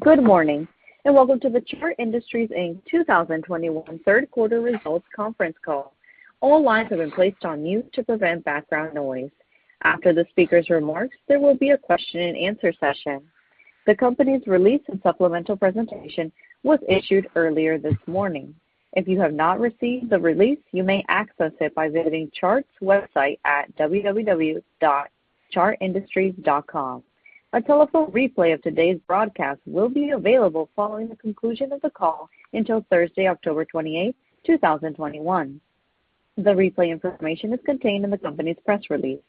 Good morning, and welcome to the Chart Industries, Inc. 2021 third quarter results conference call. All lines have been placed on mute to prevent background noise. After the speakers' remarks, there will be a question and answer session. The company's release and supplemental presentation was issued earlier this morning. If you have not received the release, you may access it by visiting Chart's website at www.chartindustries.com. A telephone replay of today's broadcast will be available following the conclusion of the call until Thursday, October 28, 2021. The replay information is contained in the company's press release.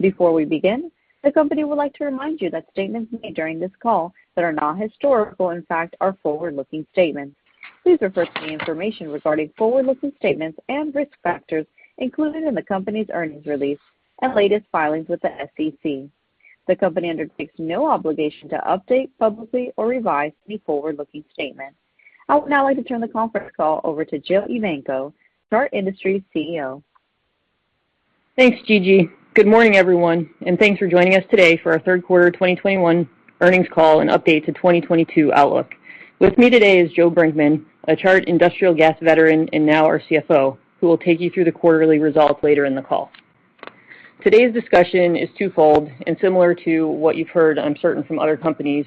Before we begin, the company would like to remind you that statements made during this call that are not historical in fact are forward-looking statements. Please refer to the information regarding forward-looking statements and risk factors included in the company's earnings release and latest filings with the SEC. The company undertakes no obligation to update publicly or revise any forward-looking statements. I would now like to turn the conference call over to Jillian Evanko, Chart Industries CEO. Thanks, Gigi. Good morning, everyone, and thanks for joining us today for our third quarter 2021 earnings call and update to 2022 outlook. With me today is Joe Brinkman, a Chart industrial gas veteran and now our CFO, who will take you through the quarterly results later in the call. Today's discussion is twofold, and similar to what you've heard, I'm certain, from other companies.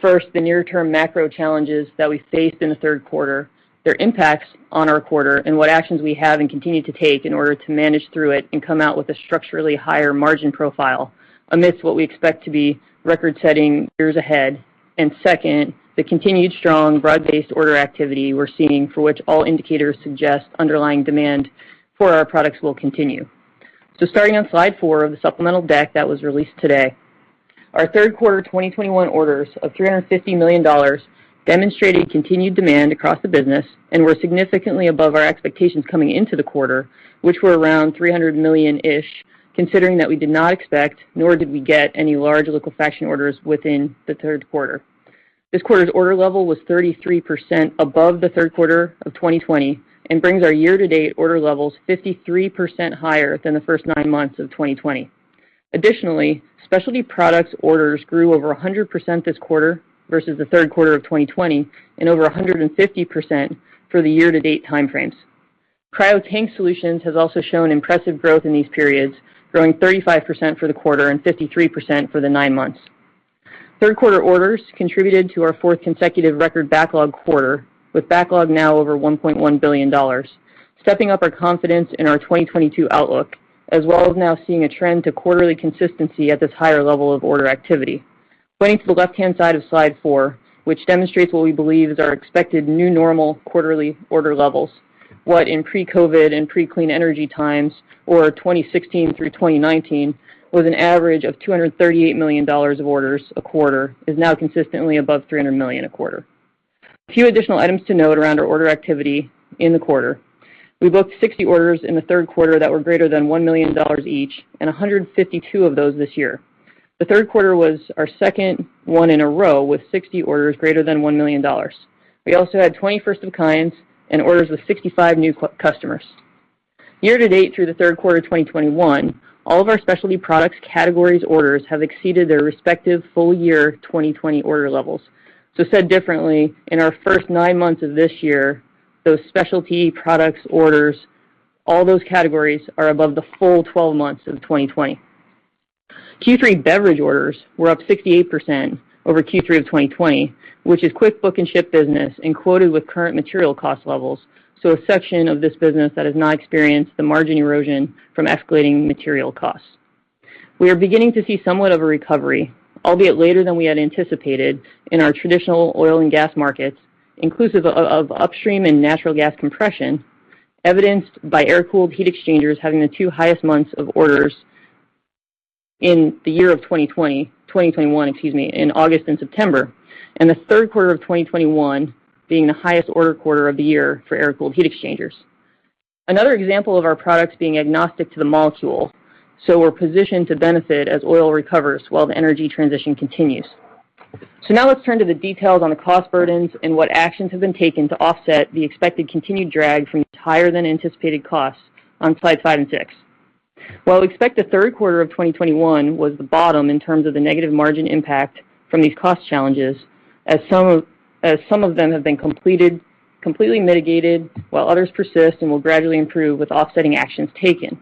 First, the near-term macro challenges that we faced in the third quarter, their impacts on our quarter, and what actions we have and continue to take in order to manage through it and come out with a structurally higher margin profile amidst what we expect to be record-setting years ahead. Second, the continued strong broad-based order activity we're seeing, for which all indicators suggest underlying demand for our products will continue. Starting on Slide 4 of the supplemental deck that was released today, our third quarter 2021 orders of $350 million demonstrated continued demand across the business and were significantly above our expectations coming into the quarter, which were around $300 million-ish, considering that we did not expect, nor did we get, any large liquefaction orders within the third quarter. This quarter's order level was 33% above the third quarter of 2020 and brings our year-to-date order levels 53% higher than the first nine months of 2020. Additionally, specialty products orders grew over 100% this quarter versus the third quarter of 2020 and over 150% for the year-to-date time frames. Cryo Tank Solutions has also shown impressive growth in these periods, growing 35% for the quarter and 53% for the nine months. Third quarter orders contributed to our fourth consecutive record backlog quarter, with backlog now over $1.1 billion, stepping up our confidence in our 2022 outlook, as well as now seeing a trend to quarterly consistency at this higher level of order activity. Pointing to the left-hand side of Slide 4, which demonstrates what we believe is our expected new normal quarterly order levels, what in pre-COVID-19 and pre-clean energy times, or 2016 through 2019, was an average of $238 million of orders a quarter, is now consistently above $300 million a quarter. A few additional items to note around our order activity in the quarter. We booked 60 orders in the third quarter that were greater than $1 million each and 152 of those this year. The third quarter was our second one in a row with 60 orders greater than $1 million. We also had 20 first of kinds and orders with 65 new customers. Year-to-date through the third quarter 2021, all of our specialty products categories orders have exceeded their respective full year 2020 order levels. Said differently, in our first nine months of this year, those specialty products orders, all those categories are above the full 12 months of 2020. Q3 beverage orders were up 68% over Q3 of 2020, which is quick book and ship business and quoted with current material cost levels, so a section of this business that has not experienced the margin erosion from escalating material costs. We are beginning to see somewhat of a recovery, albeit later than we had anticipated, in our traditional oil and gas markets, inclusive of upstream and natural gas compression, evidenced by Air-Cooled Heat Exchangers having the two highest months of orders in the year of 2021, in August and September, and the third quarter of 2021 being the highest order quarter of the year for Air-Cooled Heat Exchangers. Another example of our products being agnostic to the molecule, we're positioned to benefit as oil recovers while the energy transition continues. Now let's turn to the details on the cost burdens and what actions have been taken to offset the expected continued drag from higher than anticipated costs on Slide 5 and 6. While we expect the third quarter of 2021 was the bottom in terms of the negative margin impact from these cost challenges, as some of them have been completely mitigated while others persist and will gradually improve with offsetting actions taken.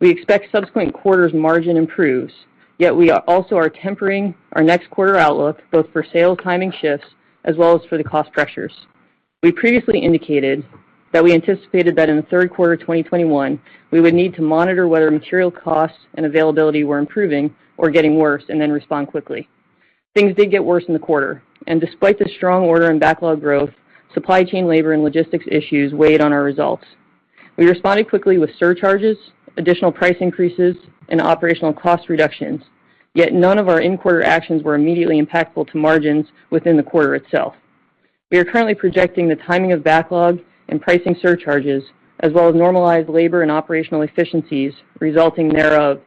We expect subsequent quarters' margin improves, we also are tempering our next quarter outlook, both for sales timing shifts as well as for the cost pressures. We previously indicated that we anticipated that in the third quarter 2021, we would need to monitor whether material costs and availability were improving or getting worse and then respond quickly. Things did get worse in the quarter, despite the strong order and backlog growth, supply chain labor and logistics issues weighed on our results. We responded quickly with surcharges, additional price increases, and operational cost reductions, yet none of our in-quarter actions were immediately impactful to margins within the quarter itself. We are currently projecting the timing of backlog and pricing surcharges, as well as normalized labor and operational efficiencies resulting thereof,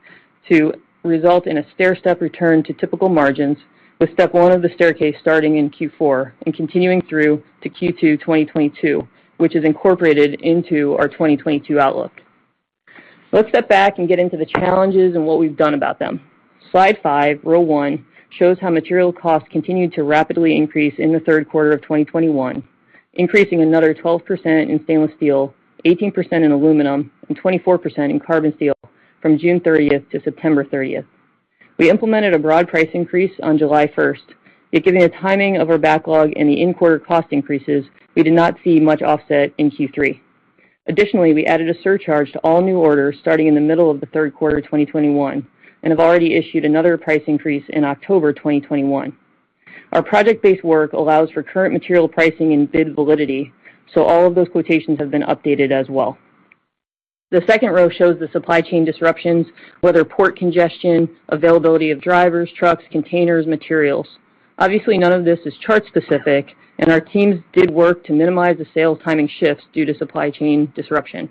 to result in a stairstep return to typical margins with step one of the staircase starting in Q4 and continuing through to Q2 2022, which is incorporated into our 2022 outlook. Let's step back and get into the challenges and what we've done about them. Slide 5, row one, shows how material costs continued to rapidly increase in the third quarter of 2021, increasing another 12% in stainless steel, 18% in aluminum, and 24% in carbon steel from June 30th to September 30th. We implemented a broad price increase on July 1st, yet given the timing of our backlog and the in-quarter cost increases, we did not see much offset in Q3. Additionally, we added a surcharge to all new orders starting in the middle of the third quarter 2021, and have already issued another price increase in October 2021. Our project-based work allows for current material pricing and bid validity, so all of those quotations have been updated as well. The second row shows the supply chain disruptions, whether port congestion, availability of drivers, trucks, containers, materials. Obviously, none of this is Chart specific, and our teams did work to minimize the sales timing shifts due to supply chain disruption.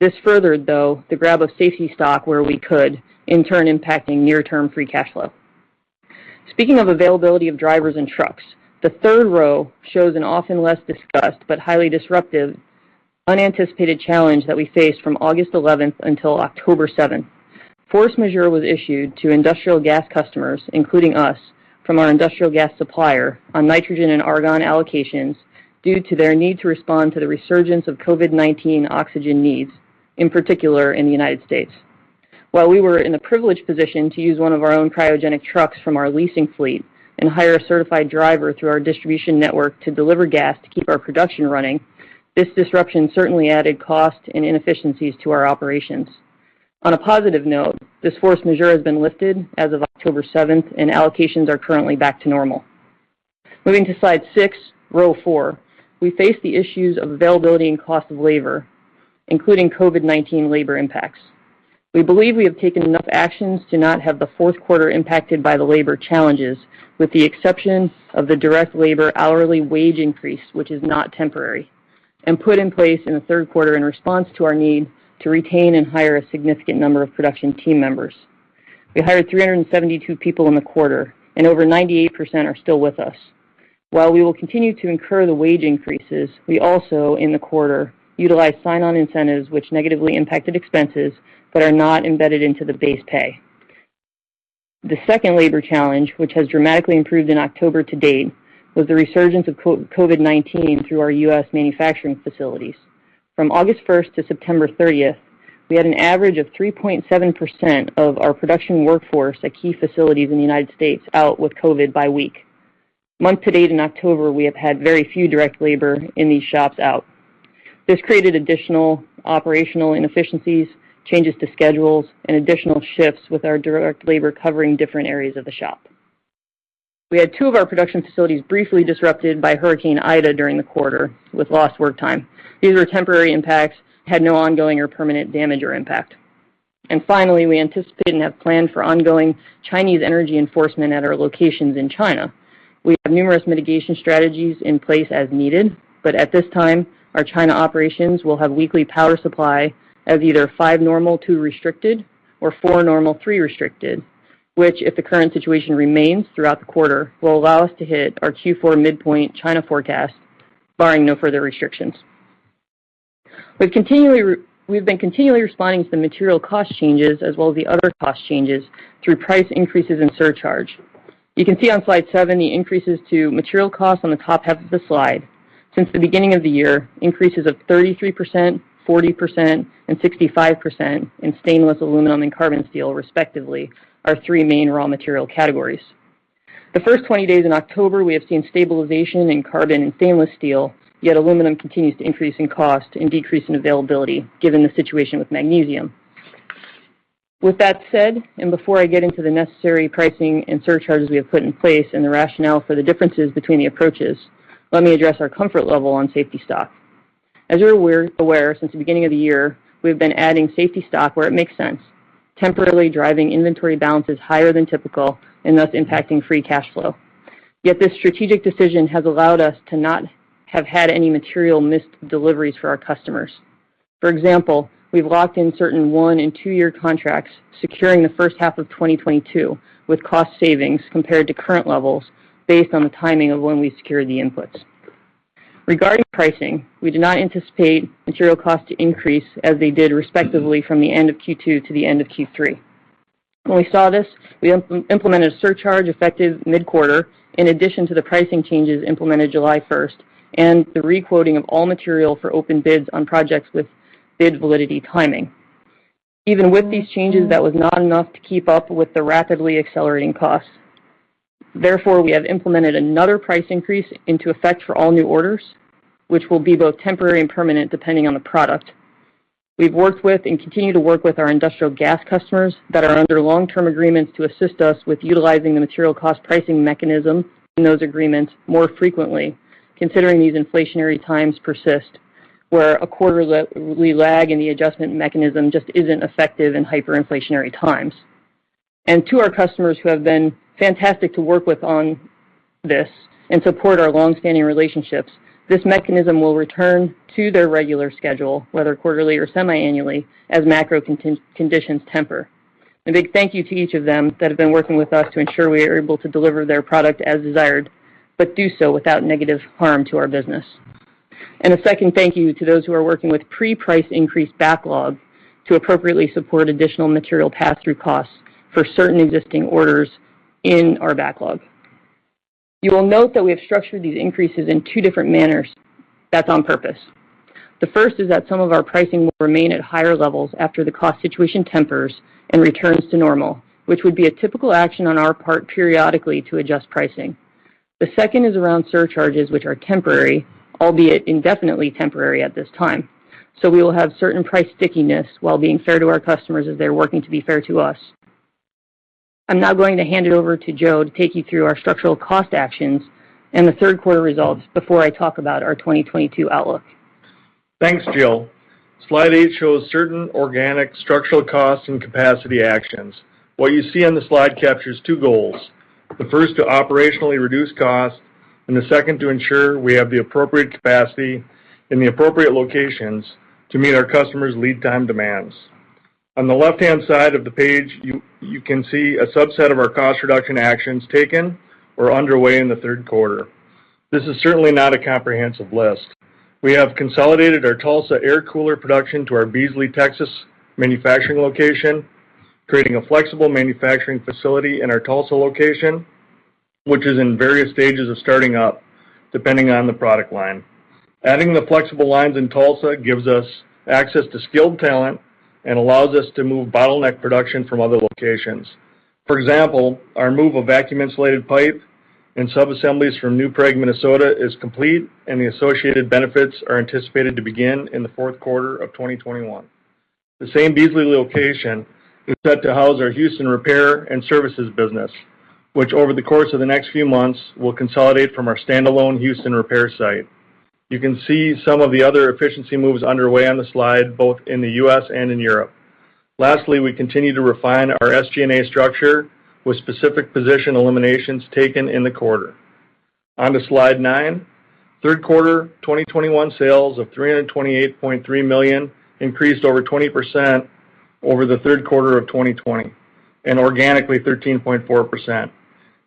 This furthered, though, the grab of safety stock where we could, in turn impacting near-term free cash flow. Speaking of availability of drivers and trucks, the third row shows an often less discussed but highly disruptive unanticipated challenge that we faced from August 11th until October 7th. Force majeure was issued to industrial gas customers, including us, from our industrial gas supplier on nitrogen and argon allocations due to their need to respond to the resurgence of COVID-19 oxygen needs, in particular in the United States. While we were in the privileged position to use one of our own cryogenic trucks from our leasing fleet and hire a certified driver through our distribution network to deliver gas to keep our production running, this disruption certainly added cost and inefficiencies to our operations. On a positive note, this force majeure has been lifted as of October 7th, and allocations are currently back to normal. Moving to Slide 6, row four, we face the issues of availability and cost of labor, including COVID-19 labor impacts. We believe we have taken enough actions to not have the fourth quarter impacted by the labor challenges, with the exception of the direct labor hourly wage increase, which is not temporary, and put in place in the third quarter in response to our need to retain and hire a significant number of production team members. We hired 372 people in the quarter, and over 98% are still with us. While we will continue to incur the wage increases, we also, in the quarter, utilized sign-on incentives which negatively impacted expenses but are not embedded into the base pay. The second labor challenge, which has dramatically improved in October to-date, was the resurgence of COVID-19 through our U.S. manufacturing facilities. From August 1st to September 30th, we had an average of 3.7% of our production workforce at key facilities in the United States out with COVID by week. Month-to-date in October, we have had very few direct labor in these shops out. This created additional operational inefficiencies, changes to schedules, and additional shifts with our direct labor covering different areas of the shop. We had two of our production facilities briefly disrupted by Hurricane Ida during the quarter with lost work time. These were temporary impacts, had no ongoing or permanent damage or impact. finally, we anticipate and have planned for ongoing Chinese energy enforcement at our locations in China. We have numerous mitigation strategies in place as needed. At this time, our China operations will have weekly power supply of either five normal, two restricted, or four normal, three restricted, which, if the current situation remains throughout the quarter, will allow us to hit our Q4 midpoint China forecast, barring no further restrictions. We've been continually responding to the material cost changes as well as the other cost changes through price increases and surcharge. You can see on Slide 7 the increases to material costs on the top half of the slide. Since the beginning of the year, increases of 33%, 40%, and 65% in stainless, aluminum, and carbon steel, respectively, our three main raw material categories. The first 20 days in October, we have seen stabilization in carbon and stainless steel, yet aluminum continues to increase in cost and decrease in availability given the situation with magnesium. With that said, and before I get into the necessary pricing and surcharges we have put in place and the rationale for the differences between the approaches, let me address our comfort level on safety stock. As you are aware, since the beginning of the year, we've been adding safety stock where it makes sense, temporarily driving inventory balances higher than typical and thus impacting free cash flow. Yet this strategic decision has allowed us to not have had any material missed deliveries for our customers. For example, we've locked in certain one and two-year contracts, securing the first half of 2022 with cost savings compared to current levels based on the timing of when we secured the inputs. Regarding pricing, we do not anticipate material costs to increase as they did respectively from the end of Q2 to the end of Q3. When we saw this, we implemented a surcharge effective mid-quarter in addition to the pricing changes implemented July 1st and the re-quoting of all material for open bids on projects with bid validity timing. Even with these changes, that was not enough to keep up with the rapidly accelerating costs. Therefore, we have implemented another price increase into effect for all new orders, which will be both temporary and permanent, depending on the product. We've worked with and continue to work with our industrial gas customers that are under long-term agreements to assist us with utilizing the material cost pricing mechanism in those agreements more frequently, considering these inflationary times persist, where a quarterly lag in the adjustment mechanism just isn't effective in hyperinflationary times. To our customers who have been fantastic to work with on this and support our long-standing relationships, this mechanism will return to their regular schedule, whether quarterly or semiannually, as macro conditions temper. A big thank you to each of them that have been working with us to ensure we are able to deliver their product as desired, but do so without negative harm to our business. A second thank you to those who are working with pre-price increase backlog to appropriately support additional material pass-through costs for certain existing orders in our backlog. You will note that we have structured these increases in two different manners. That's on purpose. The first is that some of our pricing will remain at higher levels after the cost situation tempers and returns to normal, which would be a typical action on our part periodically to adjust pricing. The second is around surcharges, which are temporary, albeit indefinitely temporary at this time. We will have certain price stickiness while being fair to our customers as they're working to be fair to us. I'm now going to hand it over to Joe to take you through our structural cost actions and the third quarter results before I talk about our 2022 outlook. Thanks, Jill. Slide 8 shows certain organic structural costs and capacity actions. What you see on the slide captures two goals. The first, to operationally reduce costs, and the second, to ensure we have the appropriate capacity in the appropriate locations to meet our customers' lead time demands. On the left-hand side of the page, you can see a subset of our cost reduction actions taken or underway in the third quarter. This is certainly not a comprehensive list. We have consolidated our Tulsa air cooler production to our Beasley, Texas manufacturing location, creating a flexible manufacturing facility in our Tulsa location, which is in various stages of starting up, depending on the product line. Adding the flexible lines in Tulsa gives us access to skilled talent and allows us to move bottleneck production from other locations. For example, our move of vacuum insulated pipe and sub-assemblies from New Prague, Minnesota is complete, and the associated benefits are anticipated to begin in the fourth quarter of 2021. The same Beasley location is set to house our Houston repair and services business, which over the course of the next few months, will consolidate from our standalone Houston repair site. You can see some of the other efficiency moves underway on the slide, both in the U.S. and in Europe. Lastly, we continue to refine our SG&A structure with specific position eliminations taken in the quarter. Onto Slide 9. Third quarter 2021 sales of $328.3 million increased over 20% over the third quarter of 2020, and organically, 13.4%.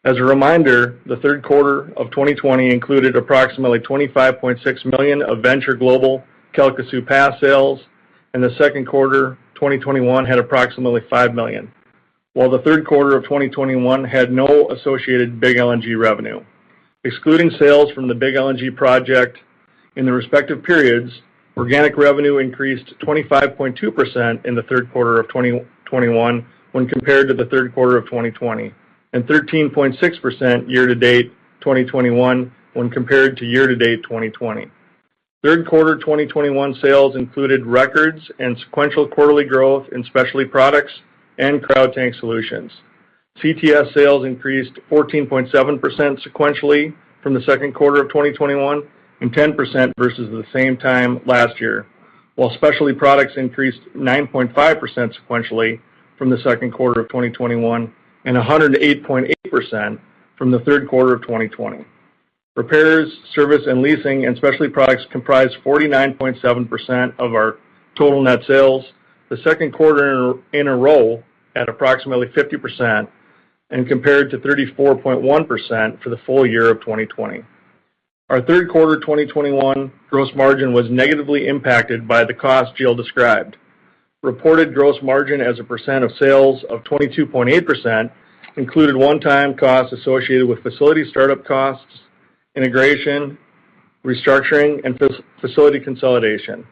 As a reminder, the third quarter of 2020 included approximately 25.6 million of Venture Global Calcasieu Pass sales, and the second quarter 2021 had approximately 5 million. While the third quarter of 2021 had no associated big LNG revenue. Excluding sales from the big LNG project in the respective periods, organic revenue increased 25.2% in the third quarter of 2021 when compared to the third quarter of 2020, and 13.6% year-to-date 2021 when compared to year-to-date 2020. Third quarter 2021 sales included record and sequential quarterly growth in specialty products and Cryo Tank Solutions. CTS sales increased 14.7 sequentially from the second quarter of 2021, and 10% versus the same time last year. Specialty products increased 9.5 sequentially from the second quarter of 2021 and 108.8% from the third quarter of 2020. Repairs, service and leasing and specialty products comprised 49.7% of our total net sales. The second quarter in a row at approximately 50% and compared to 34.1% for the full year of 2020. Our third quarter 2021 gross margin was negatively impacted by the cost Jill described. Reported gross margin as a percent of sales of 22.8% included one-time costs associated with facility startup costs, integration, restructuring, and facility consolidation.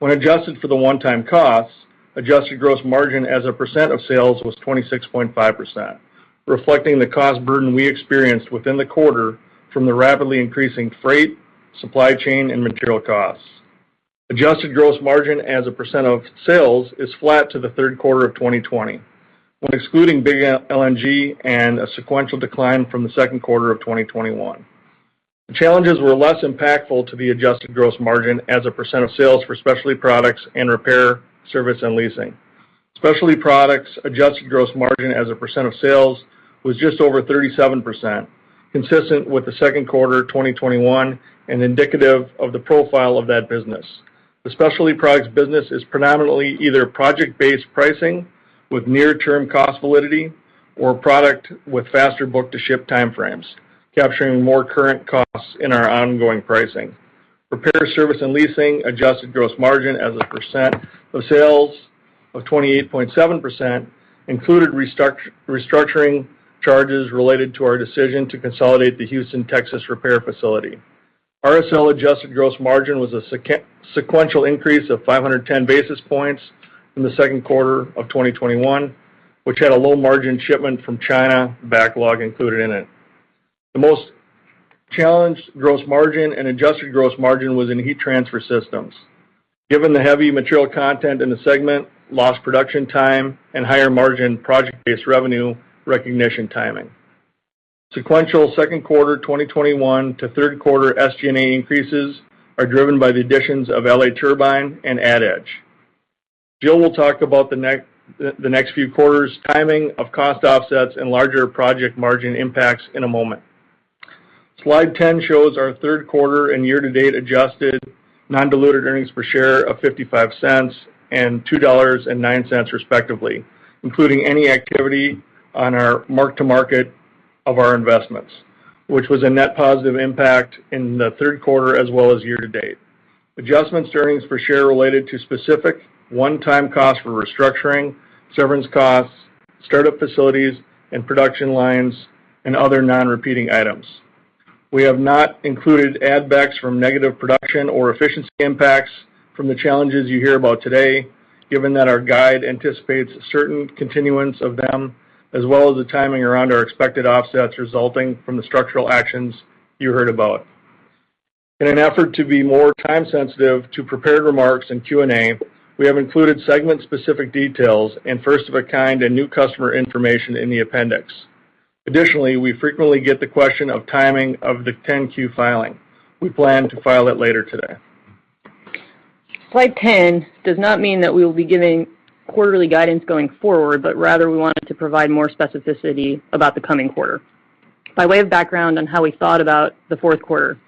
When adjusted for the one-time costs, adjusted gross margin as a percent of sales was 26.5%, reflecting the cost burden we experienced within the quarter from the rapidly increasing freight, supply chain, and material costs. Adjusted gross margin as a percent of sales is flat to the third quarter of 2020. When excluding big LNG and a sequential decline from the second quarter of 2021. The challenges were less impactful to the adjusted gross margin as a percent of sales for specialty products and repair, service, and leasing. Specialty products adjusted gross margin as a percent of sales was just over 37%, consistent with the second quarter 2021 and indicative of the profile of that business. The specialty products business is predominantly either project-based pricing with near-term cost validity or product with faster book-to-ship time frames, capturing more current costs in our ongoing pricing. Repair, service, and leasing adjusted gross margin as a percent of sales of 28.7% included restructuring charges related to our decision to consolidate the Houston, Texas repair facility. RSL adjusted gross margin was a sequential increase of 510 basis points from the second quarter of 2021, which had a low margin shipment from China backlog included in it. The most challenged gross margin and adjusted gross margin was in heat transfer systems. Given the heavy material content in the segment, lost production time and higher margin project-based revenue recognition timing. Sequential second quarter 2021 to third quarter SG&A increases are driven by the additions of L.A. Turbine and AdEdge. Jill will talk about the next few quarters' timing of cost offsets and larger project margin impacts in a moment. Slide 10 shows our third quarter and year-to-date adjusted non-diluted earnings per share of $0.55 and $2.09 respectively, including any activity on our mark-to-market of our investments, which was a net positive impact in the third quarter as well as year-to-date. Adjusted earnings per share related to specific one-time costs for restructuring, severance costs, startup facilities and production lines, and other non-repeating items. We have not included add backs from negative production or efficiency impacts from the challenges you hear about today, given that our guide anticipates certain continuance of them, as well as the timing around our expected offsets resulting from the structural actions you heard about. In an effort to be more time sensitive to prepared remarks and Q&A, we have included segment-specific details and first of a kind and new customer information in the appendix. Additionally, we frequently get the question of timing of the 10-Q filing. We plan to file it later today. Slide 10 does not mean that we will be giving quarterly guidance going forward, but rather we wanted to provide more specificity about the coming quarter. By way of background on how we thought about the fourth quarter,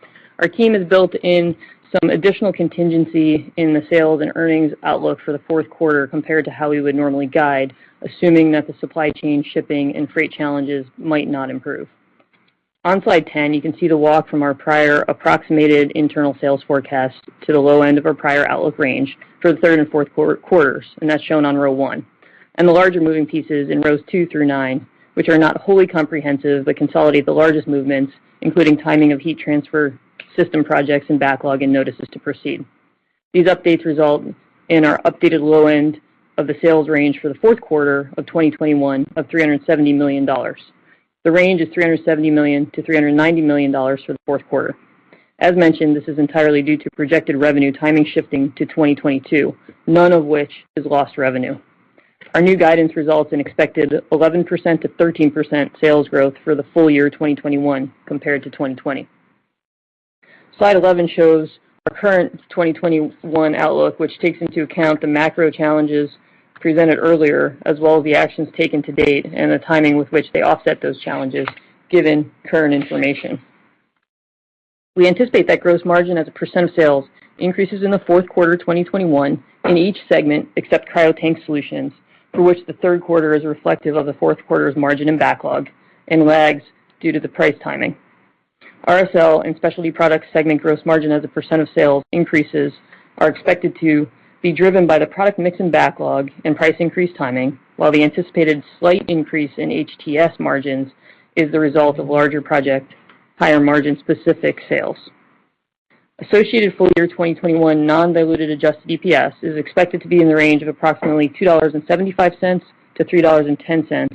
our team has built in some additional contingency in the sales and earnings outlook for the fourth quarter compared to how we would normally guide, assuming that the supply chain shipping and freight challenges might not improve. On Slide 10, you can see the walk from our prior approximated internal sales forecast to the low end of our prior outlook range for the third and fourth quarters, and that's shown on row one. The larger moving pieces in rows two through nine, which are not wholly comprehensive, but consolidate the largest movements, including timing of heat transfer system projects and backlog and notices to proceed. These updates result in our updated low end of the sales range for the fourth quarter of 2021 of $370 million. The range is $370 million-$390 million for the fourth quarter. As mentioned, this is entirely due to projected revenue timing shifting to 2022, none of which is lost revenue. Our new guidance results in expected 11%-13% sales growth for the full year 2021 compared to 2020. Slide 11 shows our current 2021 outlook, which takes into account the macro challenges presented earlier, as well as the actions taken to-date and the timing with which they offset those challenges given current information. We anticipate that gross margin as a percent of sales increases in the fourth quarter 2021 in each segment except Cryo Tank Solutions, for which the third quarter is reflective of the fourth quarter's margin and backlog, and lags due to the price timing. RSL and Specialty Products segment gross margin as a percent of sales increases are expected to be driven by the product mix and backlog and price increase timing, while the anticipated slight increase in HTS margins is the result of larger project, higher margin specific sales. Associated full year 2021 non-diluted Adjusted EPS is expected to be in the range of approximately $2.75-$3.10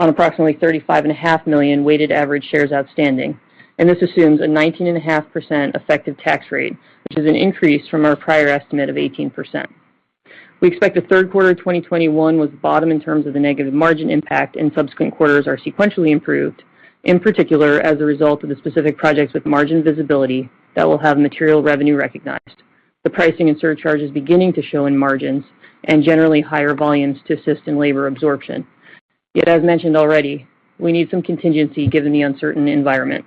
on approximately 35.5 million weighted average shares outstanding, and this assumes a 19.5% effective tax rate, which is an increase from our prior estimate of 18%. We expect the third quarter 2021 was bottom in terms of the negative margin impact and subsequent quarters are sequentially improved, in particular as a result of the specific projects with margin visibility that will have material revenue recognized. The pricing and surcharge is beginning to show in margins and generally higher volumes to assist in labor absorption. As mentioned already, we need some contingency given the uncertain environment.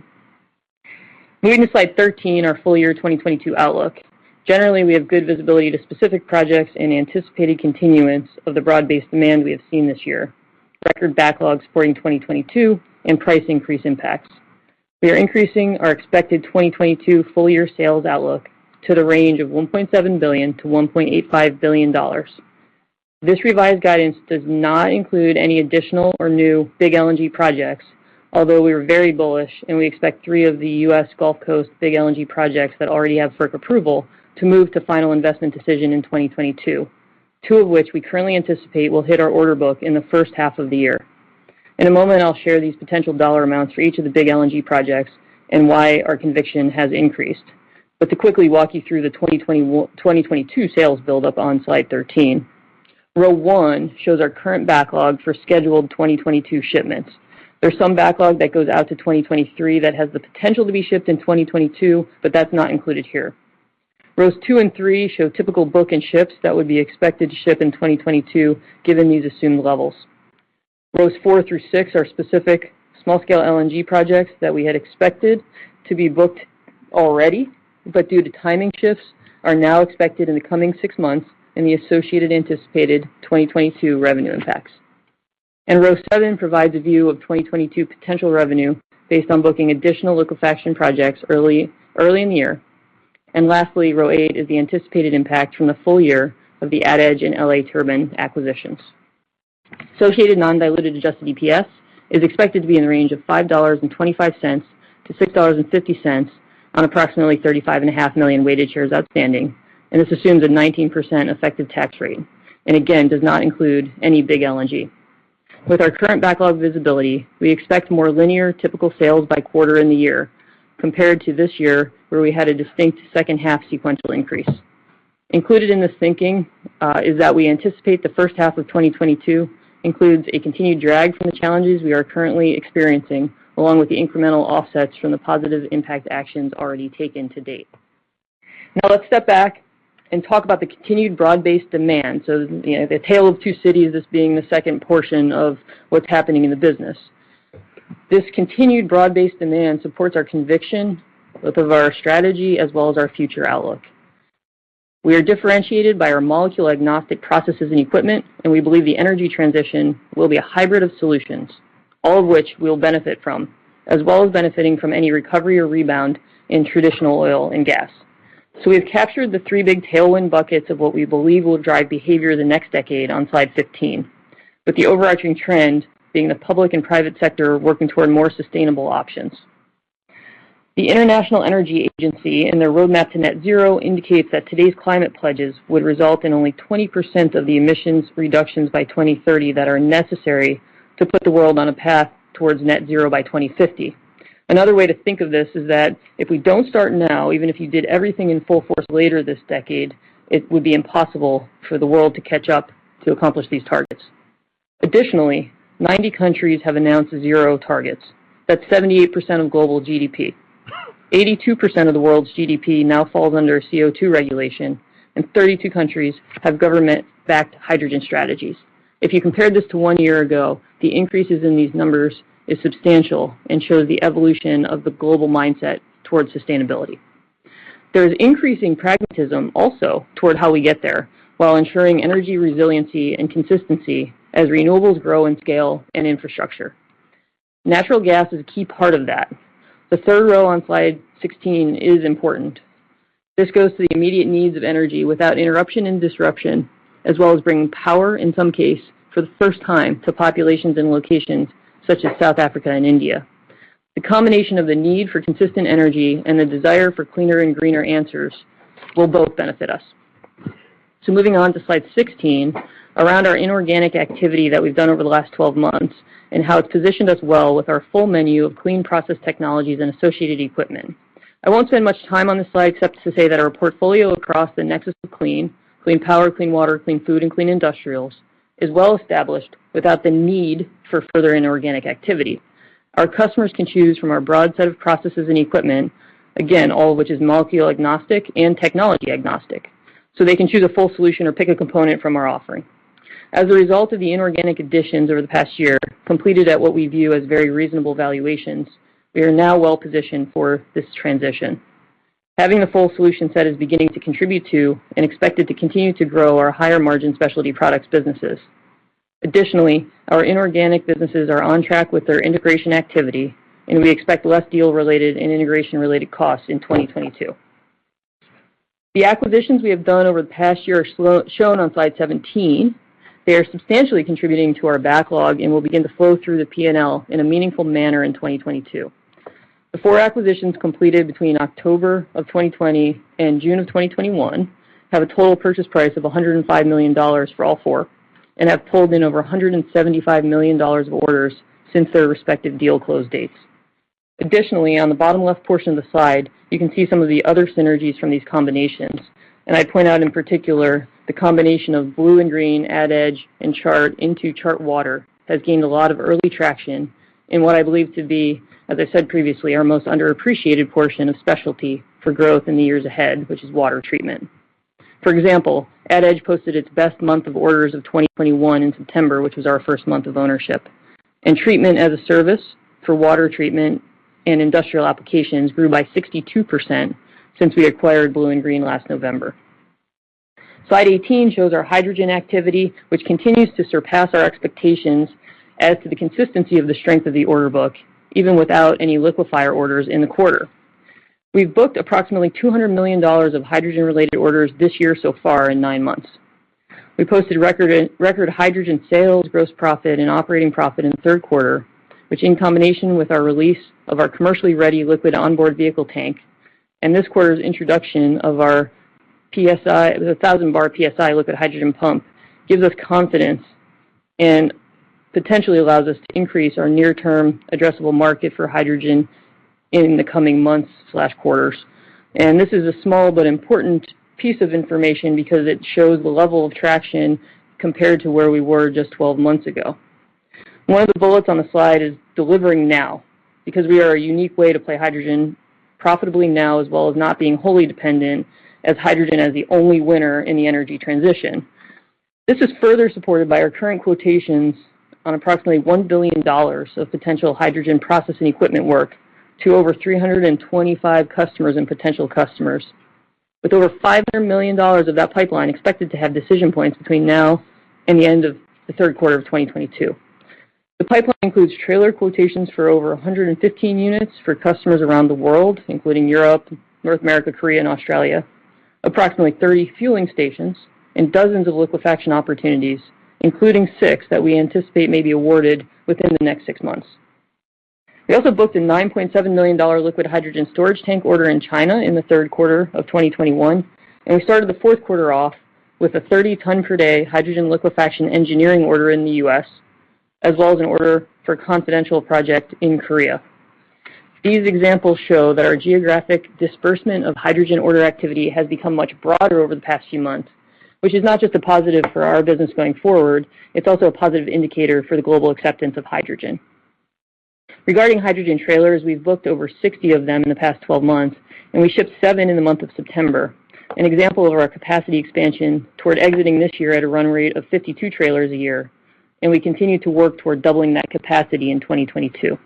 Moving to Slide 13, our full year 2022 outlook. Generally, we have good visibility to specific projects and anticipated continuance of the broad-based demand we have seen this year, record backlogs supporting 2022, and price increase impacts. We are increasing our expected 2022 full year sales outlook to the range of $1.7 billion-$1.85 billion. This revised guidance does not include any additional or new big LNG projects, although we are very bullish and we expect three of the U.S. Gulf Coast big LNG projects that already have FERC approval to move to final investment decision in 2022. Two of which we currently anticipate will hit our order book in the first half of the year. In a moment, I'll share these potential dollar amounts for each of the big LNG projects and why our conviction has increased. To quickly walk you through the 2022 sales buildup on Slide 13. Row one shows our current backlog for scheduled 2022 shipments. There's some backlog that goes out to 2023 that has the potential to be shipped in 2022, but that's not included here. Rows two and three show typical book and ships that would be expected to ship in 2022, given these assumed levels. Rows four through six are specific small-scale LNG projects that we had expected to be booked already, but due to timing shifts, are now expected in the coming six months and the associated anticipated 2022 revenue impacts. Row seven provides a view of 2022 potential revenue based on booking additional liquefaction projects early in the year. Lastly, row eight is the anticipated impact from the full year of the AdEdge and L.A. Turbine acquisitions. Associated non-diluted Adjusted EPS is expected to be in the range of $5.25-$6.50 on approximately 35.5 million weighted shares outstanding, and this assumes a 19% effective tax rate, and again, does not include any big LNG. With our current backlog visibility, we expect more linear typical sales by quarter in the year compared to this year where we had a distinct second half sequential increase. Included in this thinking, is that we anticipate the first half of 2022 includes a continued drag from the challenges we are currently experiencing, along with the incremental offsets from the positive impact actions already taken to-date. Now let's step back and talk about the continued broad-based demand. The Tale of Two Cities as being the second portion of what's happening in the business. This continued broad-based demand supports our conviction, both of our strategy as well as our future outlook. We are differentiated by our molecule-agnostic processes and equipment, and we believe the energy transition will be a hybrid of solutions, all of which we'll benefit from, as well as benefiting from any recovery or rebound in traditional oil and gas. We have captured the three big tailwind buckets of what we believe will drive behavior in the next decade on Slide 15, with the overarching trend being the public and private sector working toward more sustainable options. The International Energy Agency, in their roadmap to net zero, indicates that today's climate pledges would result in only 20% of the emissions reductions by 2030 that are necessary to put the world on a path towards net zero by 2050. Another way to think of this is that if we don't start now, even if you did everything in full force later this decade, it would be impossible for the world to catch up to accomplish these targets. Additionally, 90 countries have announced zero targets. That's 78% of global GDP. 82% of the world's GDP now falls under CO2 regulation, and 32 countries have government-backed hydrogen strategies. If you compare this to one year ago, the increases in these numbers is substantial and shows the evolution of the global mindset towards sustainability. There is increasing pragmatism also toward how we get there while ensuring energy resiliency and consistency as renewables grow in scale and infrastructure. Natural gas is a key part of that. The third row on Slide 16 is important. This goes to the immediate needs of energy without interruption and disruption, as well as bringing power, in some case, for the first time, to populations and locations such as South Africa and India. The combination of the need for consistent energy and the desire for cleaner and greener answers will both benefit us. Moving on to Slide 16, around our inorganic activity that we've done over the last 12 months and how it's positioned us well with our full menu of clean process technologies and associated equipment. I won't spend much time on this slide except to say that our portfolio across the nexus of clean power, clean water, clean food, and clean industrials is well established without the need for further inorganic activity. Our customers can choose from our broad set of processes and equipment, again, all of which is molecule agnostic and technology agnostic, so they can choose a full solution or pick a component from our offering. As a result of the inorganic additions over the past year, completed at what we view as very reasonable valuations, we are now well-positioned for this transition. Having the full solution set is beginning to contribute to and expected to continue to grow our higher-margin specialty products businesses. Additionally, our inorganic businesses are on track with their integration activity, and we expect less deal-related and integration-related costs in 2022. The acquisitions we have done over the past year are shown on Slide 17. They are substantially contributing to our backlog and will begin to flow through the P&L in a meaningful manner in 2022. The four acquisitions completed between October of 2020 and June of 2021 have a total purchase price of $105 million for all four and have pulled in over $175 million of orders since their respective deal close dates. Additionally, on the bottom left portion of the slide, you can see some of the other synergies from these combinations. I point out in particular, the combination of BlueInGreen, AdEdge, and Chart into ChartWater has gained a lot of early traction in what I believe to be, as I said previously, our most underappreciated portion of specialty for growth in the years ahead, which is water treatment. For example, AdEdge posted its best month of orders of 2021 in September, which was our first month of ownership, and treatment as a service for water treatment and industrial applications grew by 62% since we acquired BlueInGreen last November. Slide 18 shows our hydrogen activity, which continues to surpass our expectations as to the consistency of the strength of the order book, even without any liquefier orders in the quarter. We've booked approximately $200 million of hydrogen-related orders this year so far in nine months. We posted record hydrogen sales, gross profit, and operating profit in the third quarter, which in combination with our release of our commercially ready liquid onboard vehicle tank and this quarter's introduction of our thousand bar PSI liquid hydrogen pump, gives us confidence and potentially allows us to increase our near-term addressable market for hydrogen in the coming months/quarters. This is a small but important piece of information because it shows the level of traction compared to where we were just 12 months ago. One of the bullets on the slide is delivering now, because we are a unique way to play hydrogen profitably now, as well as not being wholly dependent as hydrogen as the only winner in the energy transition. This is further supported by our current quotations on approximately $1 billion of potential hydrogen processing equipment work to over 325 customers and potential customers, with over $500 million of that pipeline expected to have decision points between now and the end of the third quarter of 2022. The pipeline includes trailer quotations for over 115 units for customers around the world, including Europe, North America, Korea, and Australia, approximately 30 fueling stations, and dozens of liquefaction opportunities, including six that we anticipate may be awarded within the next six months. We also booked a $9.7 million liquid hydrogen storage tank order in China in the third quarter of 2021, and we started the fourth quarter off with a 30 ton per day hydrogen liquefaction engineering order in the U.S., as well as an order for a confidential project in Korea. These examples show that our geographic disbursement of hydrogen order activity has become much broader over the past few months, which is not just a positive for our business going forward, it's also a positive indicator for the global acceptance of hydrogen. Regarding hydrogen trailers, we've booked over 60 of them in the past 12 months, and we shipped seven in the month of September, an example of our capacity expansion toward exiting this year at a run rate of 52 trailers a year, and we continue to work toward doubling that capacity in 2022.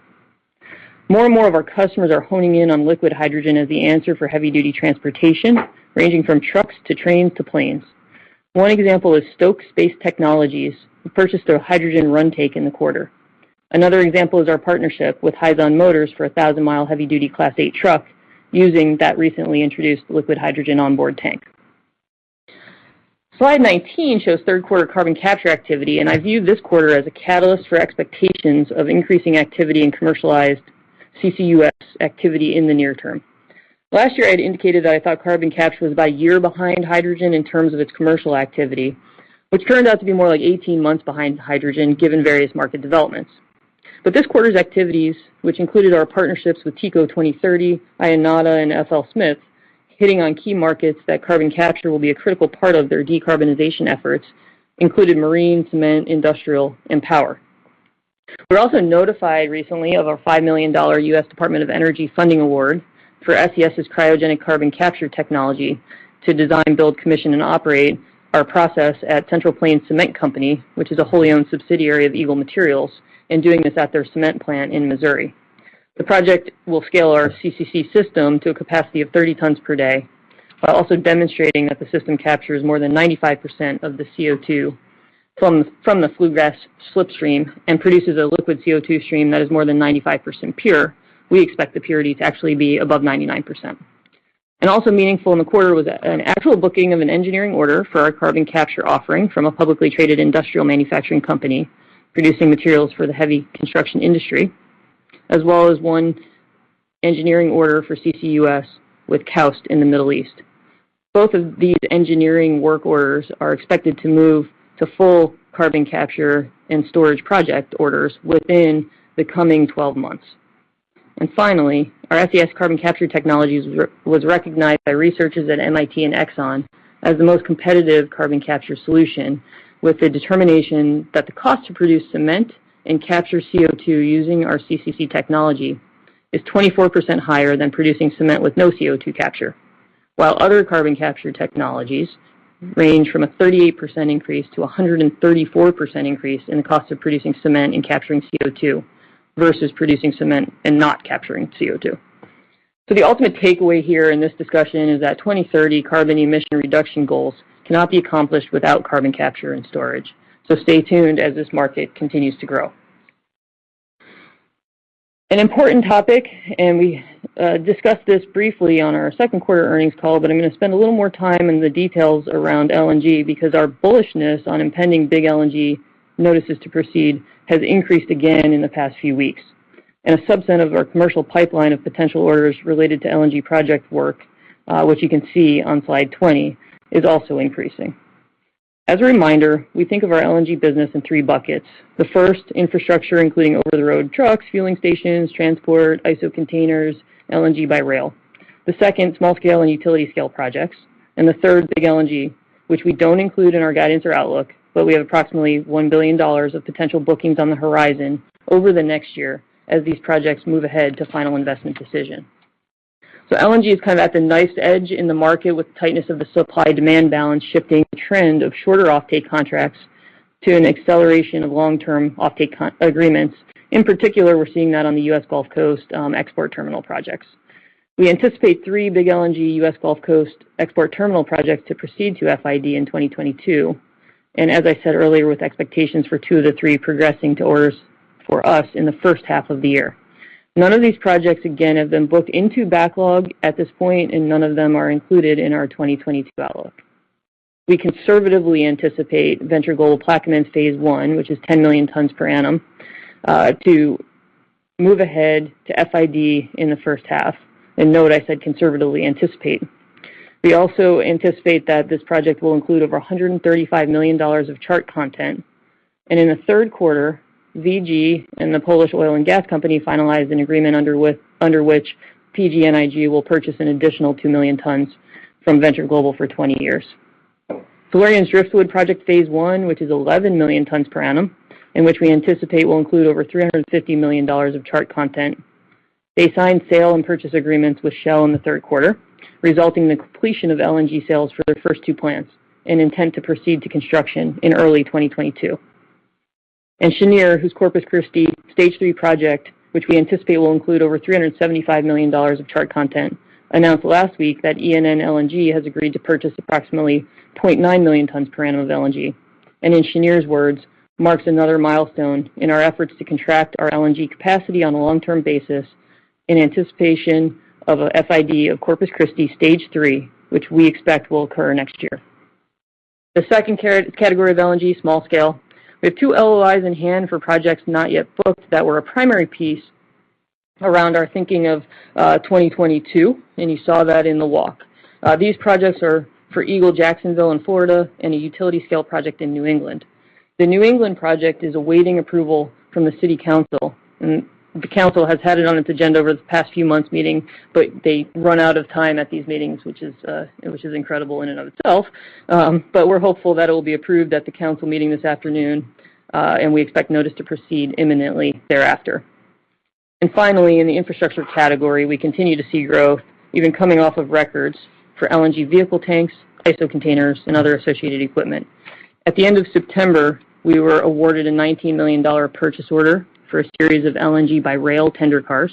More and more of our customers are honing in on liquid hydrogen as the answer for heavy-duty transportation, ranging from trucks to trains to planes. One example is Stoke Space Technologies, who purchased a hydrogen run tank in the quarter. Another example is our partnership with Hyzon Motors for a 1,000-mile heavy-duty Class 8 truck using that recently introduced liquid hydrogen onboard tank. Slide 19 shows third-quarter carbon capture activity, and I view this quarter as a catalyst for expectations of increasing activity in commercialized CCUS activity in the near term. Last year, I had indicated that I thought carbon capture was about a year behind hydrogen in terms of its commercial activity, which turned out to be more like 18 months behind hydrogen given various market developments. This quarter's activities, which included our partnerships with TECO 2030, Ionada, and FLSmidth, hitting on key markets that carbon capture will be a critical part of their decarbonization efforts, included marine, cement, industrial, and power. We're also notified recently of our $5 million U.S. Department of Energy funding award for SES's cryogenic carbon capture technology to design, build, commission, and operate our process at Central Plains Cement Company, which is a wholly-owned subsidiary of Eagle Materials, and doing this at their cement plant in Missouri. The project will scale our CCC system to a capacity of 30 tons per day, while also demonstrating that the system captures more than 95% of the CO2 from the flue gas slipstream and produces a liquid CO2 stream that is more than 95% pure. We expect the purity to actually be above 99%. Also meaningful in the quarter was an actual booking of an engineering order for our carbon capture offering from a publicly traded industrial manufacturing company producing materials for the heavy construction industry, as well as one engineering order for CCUS with KAUST in the Middle East. Both of these engineering work orders are expected to move to full carbon capture and storage project orders within the coming 12 months. Finally, our SES carbon capture technology was recognized by researchers at MIT and Exxon as the most competitive carbon capture solution, with the determination that the cost to produce cement and capture CO2 using our CCC technology is 24% higher than producing cement with no CO2 capture, while other carbon capture technologies range from a 38% increase to 134% increase in the cost of producing cement and capturing CO2 versus producing cement and not capturing CO2. The ultimate takeaway here in this discussion is that 2030 carbon emission reduction goals cannot be accomplished without carbon capture and storage. Stay tuned as this market continues to grow. An important topic, and we discussed this briefly on our second quarter earnings call, but I'm going to spend a little more time in the details around LNG because our bullishness on impending big LNG notices to proceed has increased again in the past few weeks. A subset of our commercial pipeline of potential orders related to LNG project work, which you can see on Slide 20, is also increasing. As a reminder, we think of our LNG business in three buckets. The first, infrastructure, including over-the-road trucks, fueling stations, transport, ISO containers, LNG by rail. The second, small scale and utility scale projects. The third, big LNG, which we don't include in our guidance or outlook, but we have approximately $1 billion of potential bookings on the horizon over the next year as these projects move ahead to final investment decision. LNG is at the knife's edge in the market with the tightness of the supply-demand balance shifting trend of shorter offtake contracts to an acceleration of long-term offtake agreements. In particular, we're seeing that on the U.S. Gulf Coast export terminal projects. We anticipate three big LNG U.S. Gulf Coast export terminal projects to proceed to FID in 2022, and as I said earlier, with expectations for two of the three progressing to orders for us in the first half of the year. None of these projects, again, have been booked into backlog at this point, and none of them are included in our 2022 outlook. We conservatively anticipate Venture Global Plaquemines Phase I, which is 10 million tons per annum, to move ahead to FID in the first half, and note I said conservatively anticipate. We also anticipate that this project will include over $135 million of Chart content, and in the third quarter, VG and the Polish oil and gas company finalized an agreement under which PGNiG will purchase an additional 2 million tons from Venture Global for 20 years. Tellurian's Driftwood project phase one, which is 11 million tons per annum, and which we anticipate will include over $350 million of Chart content. They signed sale and purchase agreements with Shell in the third quarter, resulting in the completion of LNG sales for their first two plants, and intend to proceed to construction in early 2022. Cheniere, whose Corpus Christi Stage 3 project, which we anticipate will include over $375 million of Chart content, announced last week that ENN LNG has agreed to purchase approximately 0.9 million tons per annum of LNG, and in Cheniere's words, marks another milestone in our efforts to contract our LNG capacity on a long-term basis in anticipation of an FID of Corpus Christi Stage 3, which we expect will occur next year. The second category of LNG, small scale. We have two LOIs in-hand for projects not yet booked that were a primary piece around our thinking of 2022, and you saw that in the walk. These projects are for Eagle Jacksonville in Florida and a utility scale project in New England. The New England project is awaiting approval from the city council, and the council has had it on its agenda over the past few months meeting, but they run out of time at these meetings, which is incredible in and of itself. We're hopeful that it will be approved at the council meeting this afternoon, and we expect notice to proceed imminently thereafter. Finally, in the infrastructure category, we continue to see growth, even coming off of records for LNG vehicle tanks, ISO containers, and other associated equipment. At the end of September, we were awarded a $19 million purchase order for a series of LNG by rail tender cars,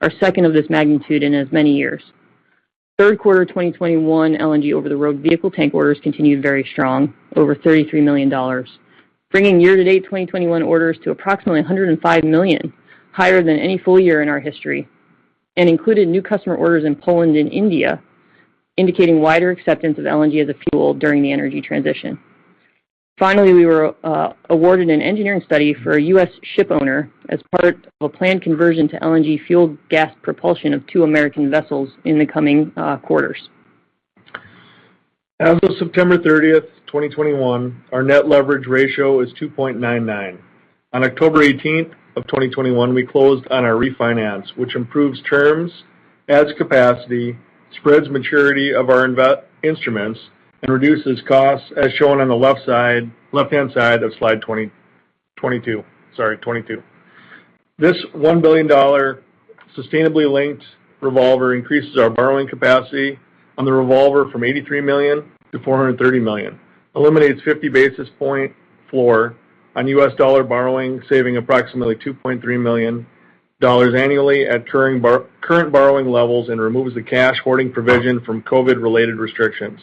our second of this magnitude in as many years. Third quarter 2021 LNG over-the-road vehicle tank orders continued very strong, over $33 million, bringing year-to-date 2021 orders to approximately $105 million, higher than any full year in our history, and included new customer orders in Poland and India, indicating wider acceptance of LNG as a fuel during the energy transition. Finally, we were awarded an engineering study for a U.S. ship owner as part of a planned conversion to LNG fuel gas propulsion of two American vessels in the coming quarters. As of September 30th, 2021, our net leverage ratio is 2.99. On October 18th of 2021, we closed on our refinance, which improves terms, adds capacity, spreads maturity of our instruments, and reduces costs, as shown on the left-hand side of Slide 22. This $1 billion sustainably linked revolver increases our borrowing capacity on the revolver from $83 million to $430 million, eliminates 50 basis point floor on U.S. dollar borrowing, saving approximately $2.3 million annually at current borrowing levels, and removes the cash hoarding provision from COVID-related restrictions.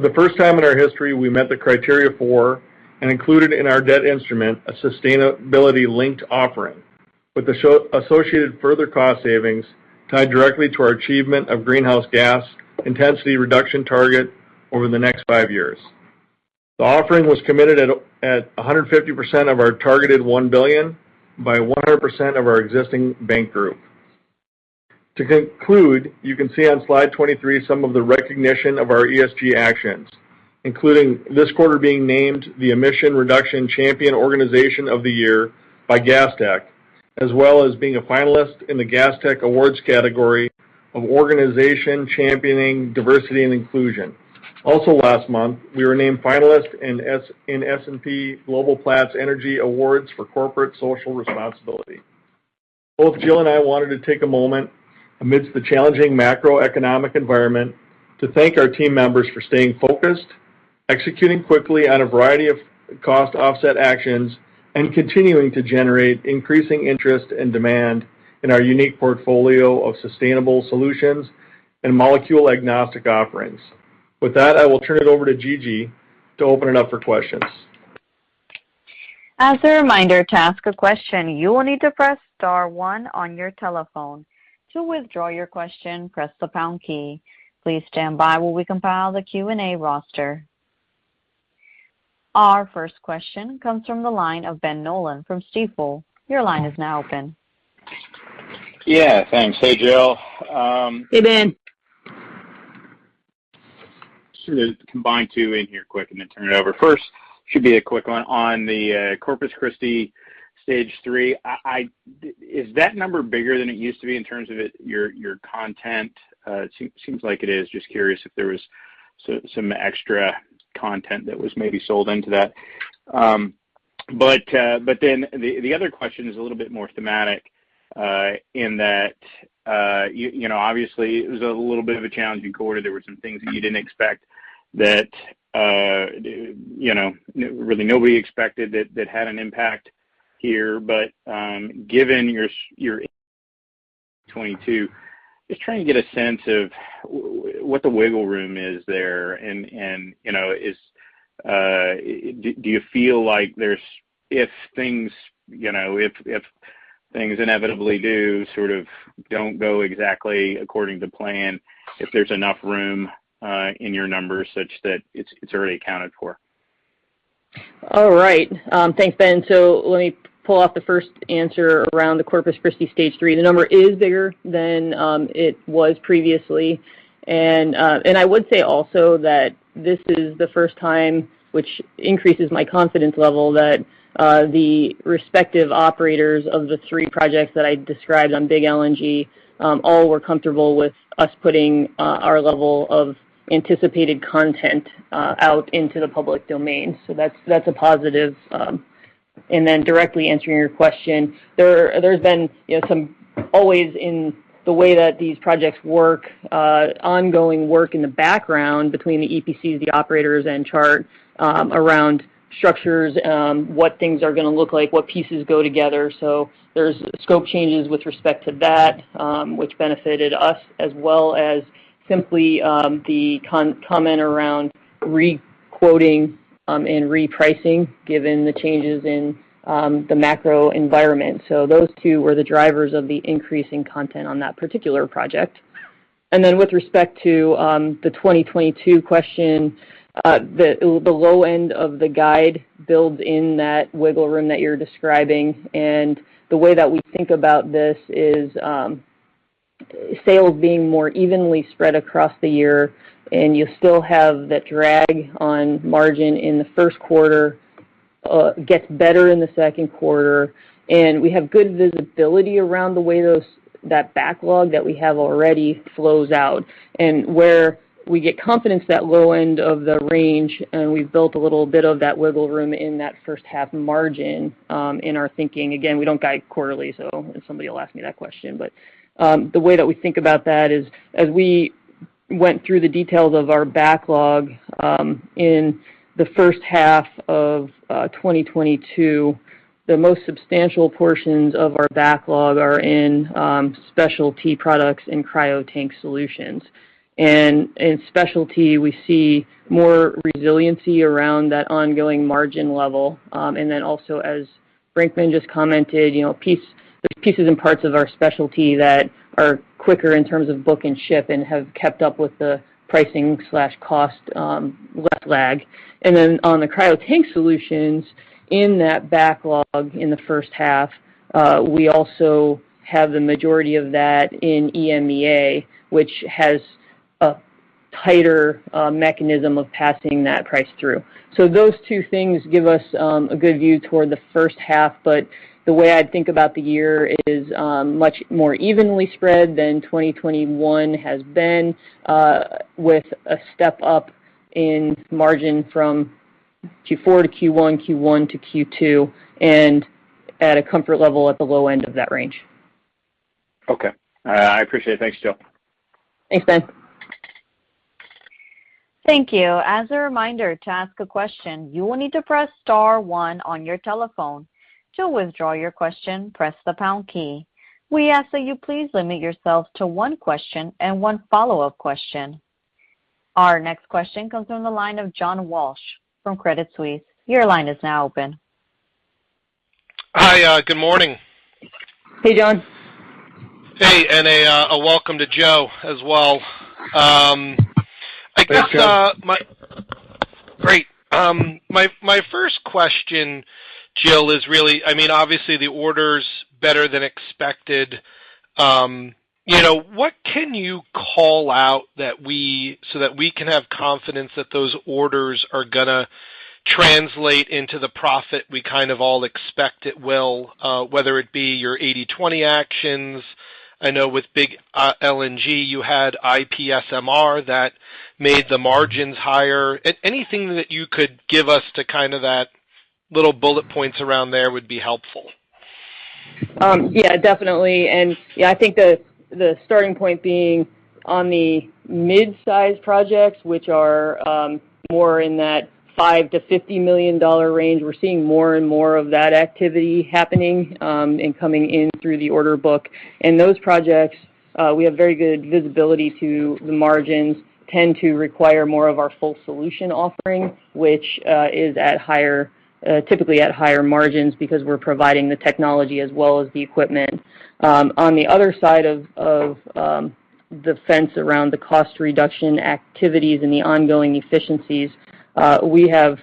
For the first time in our history, we met the criteria for and included in our debt instrument a sustainability-linked offering with the associated further cost savings tied directly to our achievement of greenhouse gas intensity reduction target over the next five years. The offering was committed at 150% of our targeted $1 billion by 100% of our existing bank group. To conclude, you can see on Slide 23 some of the recognition of our ESG actions, including this quarter being named the Emission Reduction Champion Organization of the Year by Gastech, as well as being a finalist in the Gastech Awards category of organization championing diversity and inclusion. Also last month, we were named finalist in S&P Global Platts Energy Awards for corporate social responsibility. Both Jill and I wanted to take a moment amidst the challenging macroeconomic environment to thank our team members for staying focused, executing quickly on a variety of cost offset actions, and continuing to generate increasing interest and demand in our unique portfolio of sustainable solutions and molecule-agnostic offerings. With that, I will turn it over to Gigi to open it up for questions. As a reminder, to ask a question, you will need to press star one on your telephone. To withdraw your question, press the pound key. Please stand by while we compile the Q&A roster. Our first question comes from the line of Ben Nolan from Stifel. Your line is now open. Yeah, thanks. Hey, Jill. Hey, Ben. Should combine two in here quick and then turn it over. First should be a quick one on the Corpus Christi Stage 3. Is that number bigger than it used to be in terms of your content? It seems like it is. Just curious if there was some extra content that was maybe sold into that. The other question is a little bit more thematic, in that obviously it was a little bit of a challenging quarter. There were some things that you didn't expect that really nobody expected that had an impact here. Given your 2022, just trying to get a sense of what the wiggle room is there, and do you feel like if things inevitably do sort of don't go exactly according to plan, if there's enough room in your numbers such that it's already accounted for? All right. Thanks, Ben. Let me pull off the first answer around the Corpus Christi Stage 3. The number is bigger than it was previously. I would say also that this is the first time, which increases my confidence level, that the respective operators of the three projects that I described on big LNG all were comfortable with us putting our level of anticipated content out into the public domain. That's a positive. Directly answering your question, there's been always in the way that these projects work, ongoing work in the background between the EPCs, the operators, and Chart around structures, what things are going to look like, what pieces go together. There's scope changes with respect to that which benefited us, as well as simply the comment around re-quoting and repricing given the changes in the macro environment. Those two were the drivers of the increase in content on that particular project. Then with respect to the 2022 question, the low end of the guide builds in that wiggle room that you're describing. The way that we think about this is sales being more evenly spread across the year, and you still have that drag on margin in the first quarter, gets better in the second quarter, and we have good visibility around the way that backlog that we have already flows out. Where we get confidence that low end of the range, and we've built a little bit of that wiggle room in that first half margin in our thinking. Again, we don't guide quarterly, so somebody will ask me that question. The way that we think about that is as we went through the details of our backlog in the first half of 2022. The most substantial portions of our backlog are in Specialty Products and Cryo Tank Solutions. In specialty, we see more resiliency around that ongoing margin level. Also as Brinkman just commented, there's pieces and parts of our specialty that are quicker in terms of book and ship and have kept up with the pricing/cost less lag. On the cryotank solutions, in that backlog in the first half, we also have the majority of that in EMEA, which has a tighter mechanism of passing that price through. Those two things give us a good view toward the first half, but the way I think about the year is much more evenly spread than 2021 has been, with a step up in margin from Q4 to Q1 to Q2, and at a comfort level at the low end of that range. Okay. I appreciate it. Thanks, Jill. Thanks, Ben. Thank you. As a reminder, to ask a question, you will need to press star one on your telephone. To withdraw your question, press the pound key. We ask that you please limit yourself to one question and one follow-up question. Our next question comes from the line of John Walsh from Credit Suisse. Your line is now open. Hi, good morning. Hey, John. Hey, a welcome to Joe as well. Thank you. Great. My first question, Jill, is really, obviously the order's better than expected. What can you call out so that we can have confidence that those orders are going to translate into the profit we kind of all expect it will, whether it be your 80/20 actions? I know with big LNG, you had IPSMR that made the margins higher. Anything that you could give us to kind of that little bullet points around there would be helpful. Yeah, definitely. I think the starting point being on the midsize projects, which are more in that $5 million-$50 million range, we're seeing more and more of that activity happening, and coming in through the order book. Those projects, we have very good visibility to the margins, tend to require more of our full solution offering, which is typically at higher margins because we're providing the technology as well as the equipment. On the other side of the fence around the cost reduction activities and the ongoing efficiencies, we have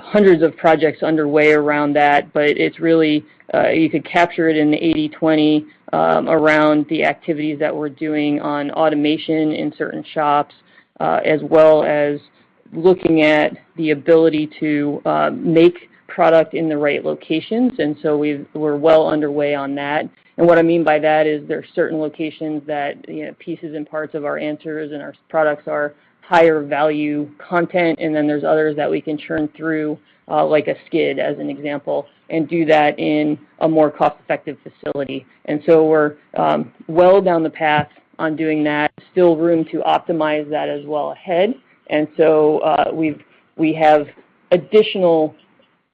hundreds of projects underway around that, but you could capture it in the 80/20 around the activities that we're doing on automation in certain shops, as well as looking at the ability to make product in the right locations. We're well underway on that. What I mean by that is there are certain locations that pieces and parts of our answers and our products are higher value content, and then there's others that we can churn through, like a skid, as an example, and do that in a more cost-effective facility. We're well down the path on doing that. Still room to optimize that as well ahead. We have additional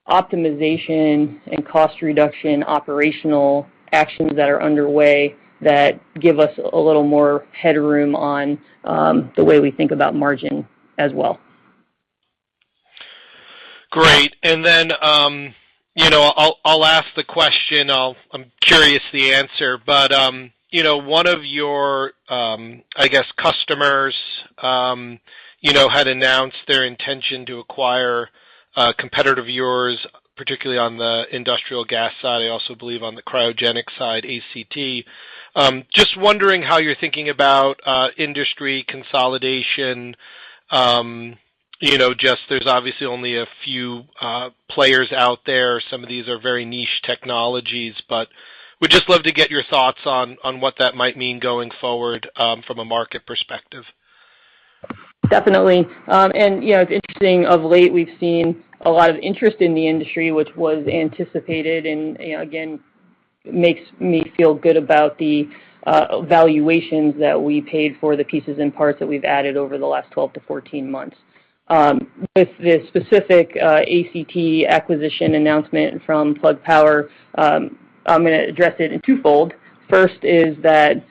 optimization and cost reduction operational actions that are underway that give us a little more headroom on the way we think about margin as well. Great. I'll ask the question. I'm curious the answer, but one of your customers had announced their intention to acquire a competitor of yours, particularly on the industrial gas side. I also believe on the cryogenic side, ACT. Just wondering how you're thinking about industry consolidation. There's obviously only a few players out there. Some of these are very niche technologies, but would just love to get your thoughts on what that might mean going forward from a market perspective. Definitely. It's interesting, of late, we've seen a lot of interest in the industry, which was anticipated, and again, makes me feel good about the valuations that we paid for the pieces and parts that we've added over the last 12 to 14 months. With the specific ACT acquisition announcement from Plug Power, I'm going to address it in twofold. First is that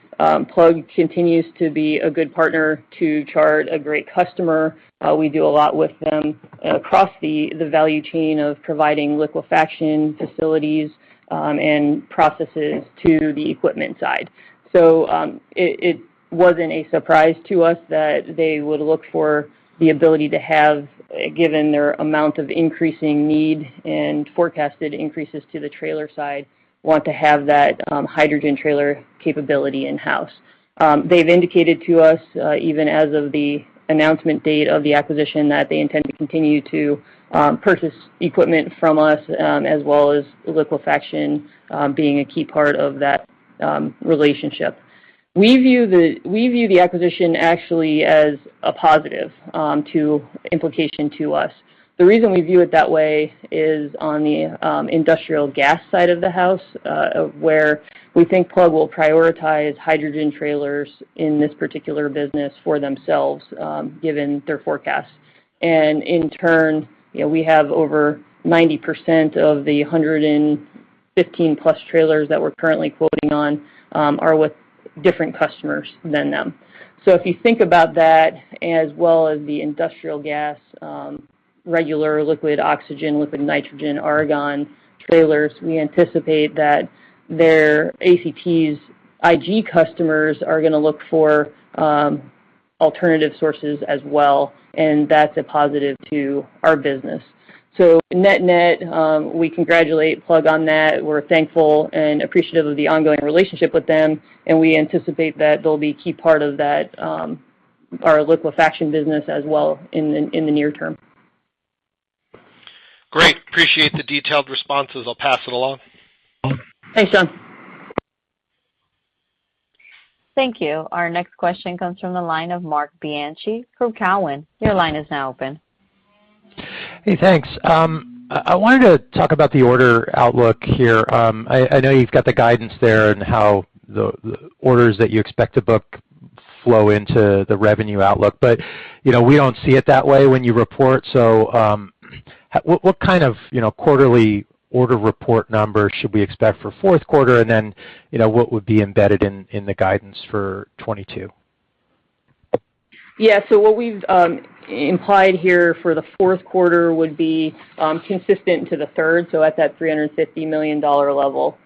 Plug continues to be a good partner to Chart, a great customer. We do a lot with them across the value chain of providing liquefaction facilities and processes to the equipment side. It wasn't a surprise to us that they would look for the ability to have, given their amount of increasing need and forecasted increases to the trailer side, want to have that hydrogen trailer capability in-house. They've indicated to us, even as of the announcement date of the acquisition, that they intend to continue to purchase equipment from us, as well as liquefaction being a key part of that relationship. We view the acquisition actually as a positive implication to us. The reason we view it that way is on the industrial gas side of the house, where we think Plug will prioritize hydrogen trailers in this particular business for themselves, given their forecast. In turn, we have over 90% of the 115+ trailers that we're currently quoting on are with different customers than them. If you think about that, as well as the industrial gas, regular liquid oxygen, liquid nitrogen, argon trailers, we anticipate that their ACT's IG customers are going to look for alternative sources as well, and that's a positive to our business. Net-net, we congratulate Plug on that. We're thankful and appreciative of the ongoing relationship with them, and we anticipate that they'll be a key part of our liquefaction business as well in the near term. Great. Appreciate the detailed responses. I'll pass it along. Thanks, John. Thank you. Our next question comes from the line of Marc Bianchi from Cowen. Your line is now open. Hey, thanks. I wanted to talk about the order outlook here. I know you've got the guidance there and how the orders that you expect to book flow into the revenue outlook, but we don't see it that way when you report, so what kind of quarterly order report number should we expect for fourth quarter and then, what would be embedded in the guidance for '22? Yeah. What we've implied here for the fourth quarter would be consistent to the third, so at that $350 million level.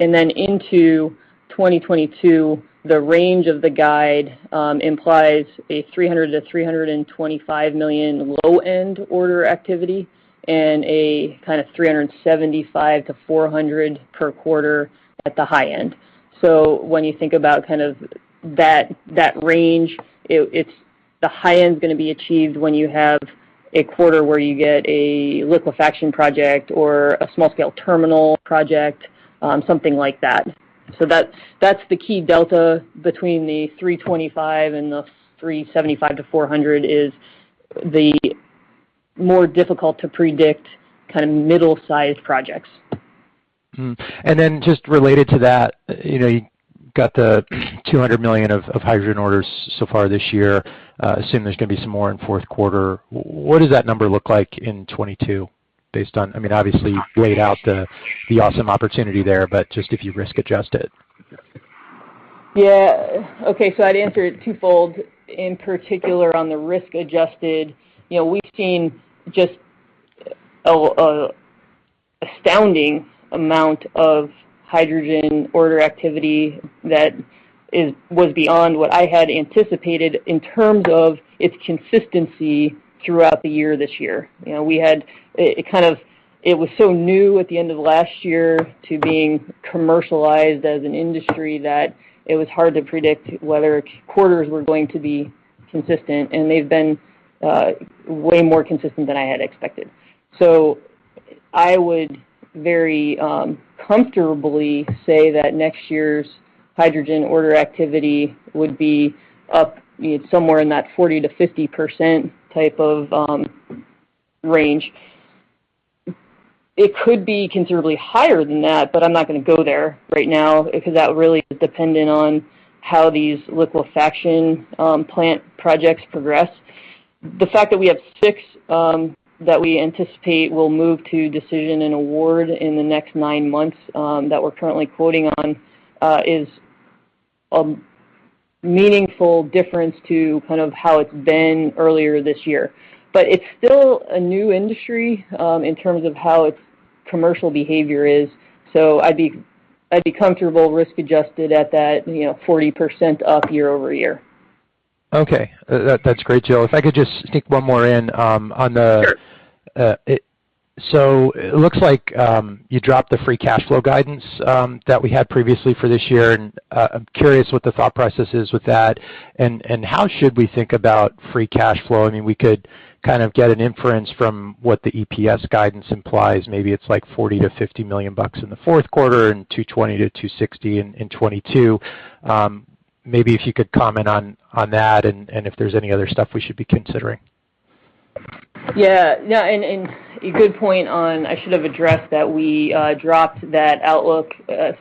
Into 2022, the range of the guide implies a $300 million-$325 million low-end order activity and a kind of $375-$400 per quarter at the high end. When you think about that range, the high end's going to be achieved when you have a quarter where you get a liquefaction project or a small-scale terminal project, something like that. That's the key delta between the $325 and the $375-$400 is the more difficult to predict kind of middle-sized projects. Just related to that, you got the $200 million of hydrogen orders so far this year. Assume there's going to be some more in fourth quarter. What does that number look like in 2022, obviously you laid out the awesome opportunity there, but just if you risk adjust it? I'd answer it twofold. In particular, on the risk adjusted, we've seen just astounding amount of hydrogen order activity that was beyond what I had anticipated in terms of its consistency throughout the year this year. It was so new at the end of last year to being commercialized as an industry that it was hard to predict whether quarters were going to be consistent, and they've been way more consistent than I had expected. I would very comfortably say that next year's hydrogen order activity would be up somewhere in that 40%-50% type of range. It could be considerably higher than that, I'm not going to go there right now because that really is dependent on how these liquefaction plant projects progress. The fact that we have six that we anticipate will move to decision and award in the next nine months that we're currently quoting on is a meaningful difference to how it's been earlier this year. It's still a new industry, in terms of how its commercial behavior is. I'd be comfortable risk adjusted at that 40% up year-over-year. Okay. That's great, Jill. If I could just sneak one more in on the- Sure. It looks like you dropped the free cash flow guidance that we had previously for this year. I'm curious what the thought process is with that, and how should we think about free cash flow? We could kind of get an inference from what the EPS guidance implies. It's like $40 million-$50 million in the fourth quarter and $220 million-$260 million in 2022. If you could comment on that and if there's any other stuff we should be considering. Yeah. No, a good point on. I should have addressed that we dropped that outlook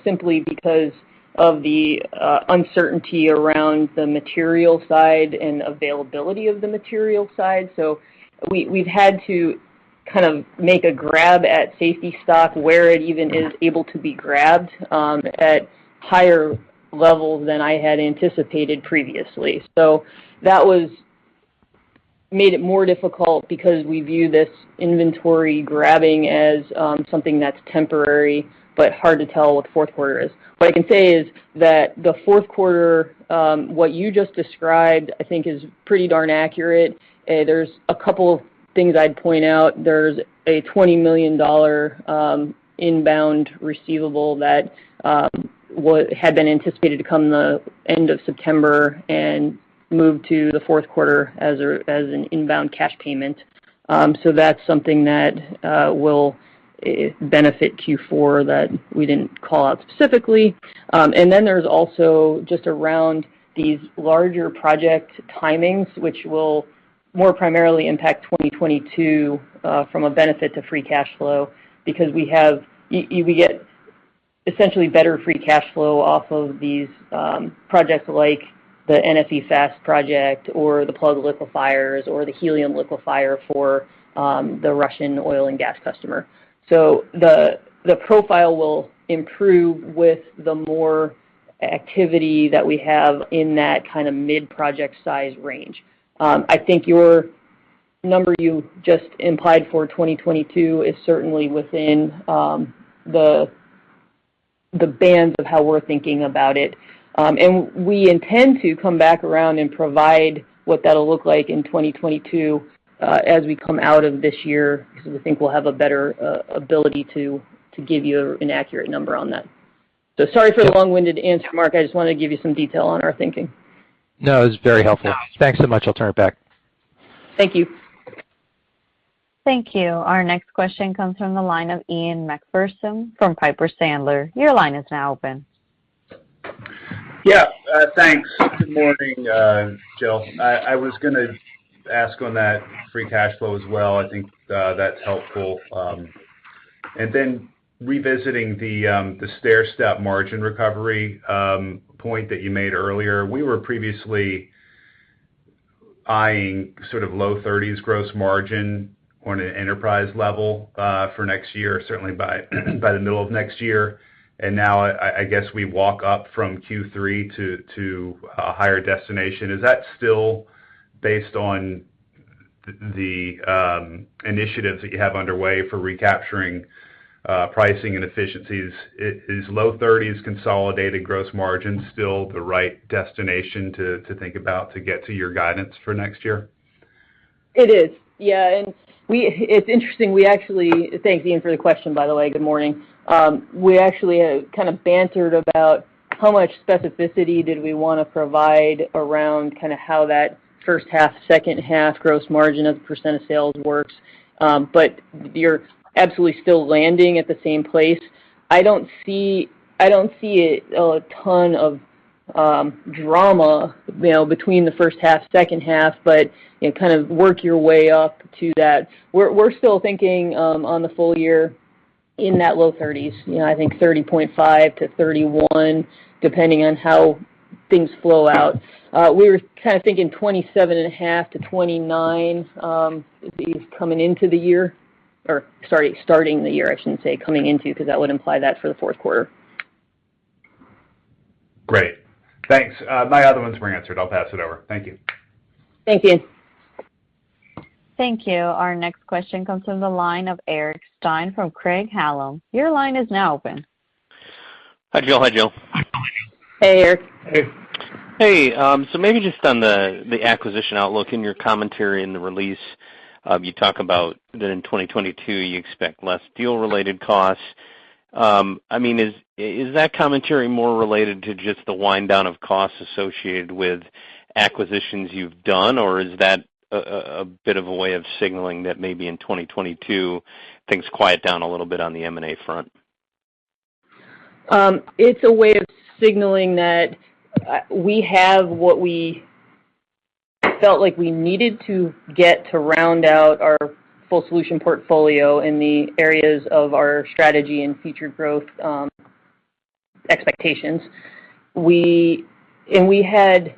simply because of the uncertainty around the material side and availability of the material side. We've had to kind of make a grab at safety stock where it even is able to be grabbed, at higher levels than I had anticipated previously. That made it more difficult because we view this inventory grabbing as something that's temporary, but hard to tell what the fourth quarter is. What I can say is that the fourth quarter, what you just described, I think is pretty darn accurate. There's a $20 million inbound receivable that had been anticipated to come the end of September and move to the fourth quarter as an inbound cash payment. That's something that will benefit Q4 that we didn't call out specifically. There's also just around these larger project timings, which will more primarily impact 2022 from a benefit to free cash flow because we get essentially better free cash flow off of these projects like the NFE Fast project or the Plug liquefiers or the helium liquefier for the Russian oil and gas customer. The profile will improve with the more activity that we have in that mid-project size range. I think your number you just implied for 2022 is certainly within the bands of how we're thinking about it. We intend to come back around and provide what that'll look like in 2022 as we come out of this year, because we think we'll have a better ability to give you an accurate number on that. Sorry for the long-winded answer, Marc. I just wanted to give you some detail on our thinking. No, it was very helpful. Yeah. Thanks so much. I'll turn it back. Thank you. Thank you. Our next question comes from the line of Ian Macpherson from Piper Sandler. Your line is now open. Thanks. Good morning, Jill. I was going to ask on that free cash flow as well. I think that's helpful. Revisiting the stairstep margin recovery point that you made earlier, we were previously eyeing low 30s gross margin on an enterprise level for next year, certainly by the middle of next year. Now, I guess we walk up from Q3 to a higher destination. Is that still based on the initiatives that you have underway for recapturing pricing and efficiencies? Is low 30s consolidated gross margin still the right destination to think about to get to your guidance for next year? It is. Yeah. Thanks, Ian, for the question, by the way. Good morning. We actually bantered about how much specificity did we want to provide around how that first half, second half gross margin of percent of sales works. We are absolutely still landing at the same place. I don't see a ton of drama between the first half, second half, but work your way up to that. We're still thinking on the full year in that low 30s. I think 30.5%-31%, depending on how things flow out. We were thinking 27.5%-29% coming into the year. Sorry, starting the year, I shouldn't say coming into, because that would imply that's for the fourth quarter. Great. Thanks. My other ones were answered. I'll pass it over. Thank you. Thank you. Thank you. Our next question comes from the line of Eric Stine from Craig-Hallum. Your line is now open. Hi, Jill. Hey, Eric. Hey. Maybe just on the acquisition outlook, in your commentary in the release, you talk about that in 2022, you expect less deal-related costs. Is that commentary more related to just the wind down of costs associated with acquisitions you've done, or is that a bit of a way of signaling that maybe in 2022, things quiet down a little bit on the M&A front? It's a way of signaling that we have what we felt like we needed to get to round out our full solution portfolio in the areas of our strategy and future growth expectations. We had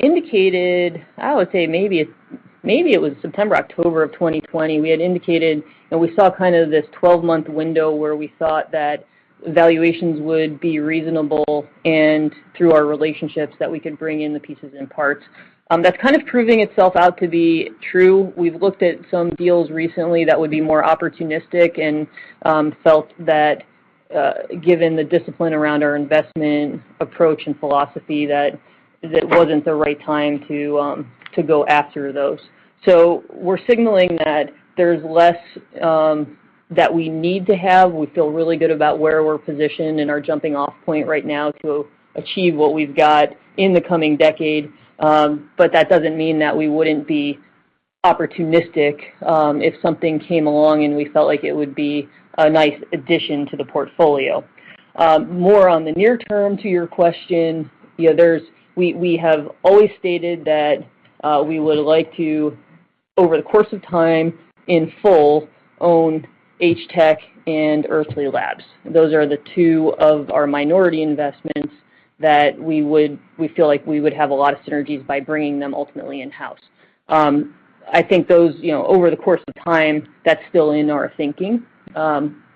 indicated, I would say maybe it was September or October of 2020, we had indicated, and we saw this 12-month window where we thought that valuations would be reasonable, and through our relationships, that we could bring in the pieces and parts. That's proving itself out to be true. We've looked at some deals recently that would be more opportunistic and felt that given the discipline around our investment approach and philosophy, that it wasn't the right time to go after those. We're signaling that there's less that we need to have. We feel really good about where we're positioned and our jumping-off point right now to achieve what we've got in the coming decade. That doesn't mean that we wouldn't be opportunistic if something came along and we felt like it would be a nice addition to the portfolio. More on the near term to your question, we have always stated that we would like to, over the course of time, in full, own HTEC and Earthly Labs. Those are the two of our minority investments that we feel like we would have a lot of synergies by bringing them ultimately in-house. I think those, over the course of time, that's still in our thinking.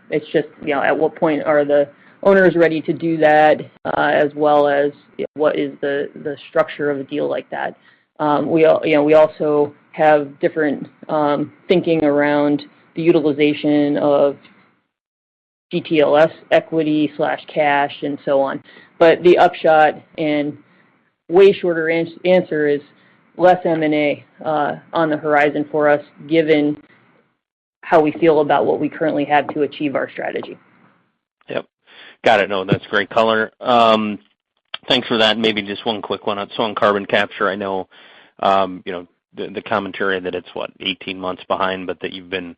It's just, at what point are the owners ready to do that, as well as what is the structure of a deal like that? We also have different thinking around the utilization of DTLs equity/cash and so on. The upshot and way shorter answer is less M&A on the horizon for us given how we feel about what we currently have to achieve our strategy. Yup. Got it. No, that's great color. Thanks for that, and maybe just one quick one. On carbon capture, I know the commentary that it's, what, 18 months behind, but that you've been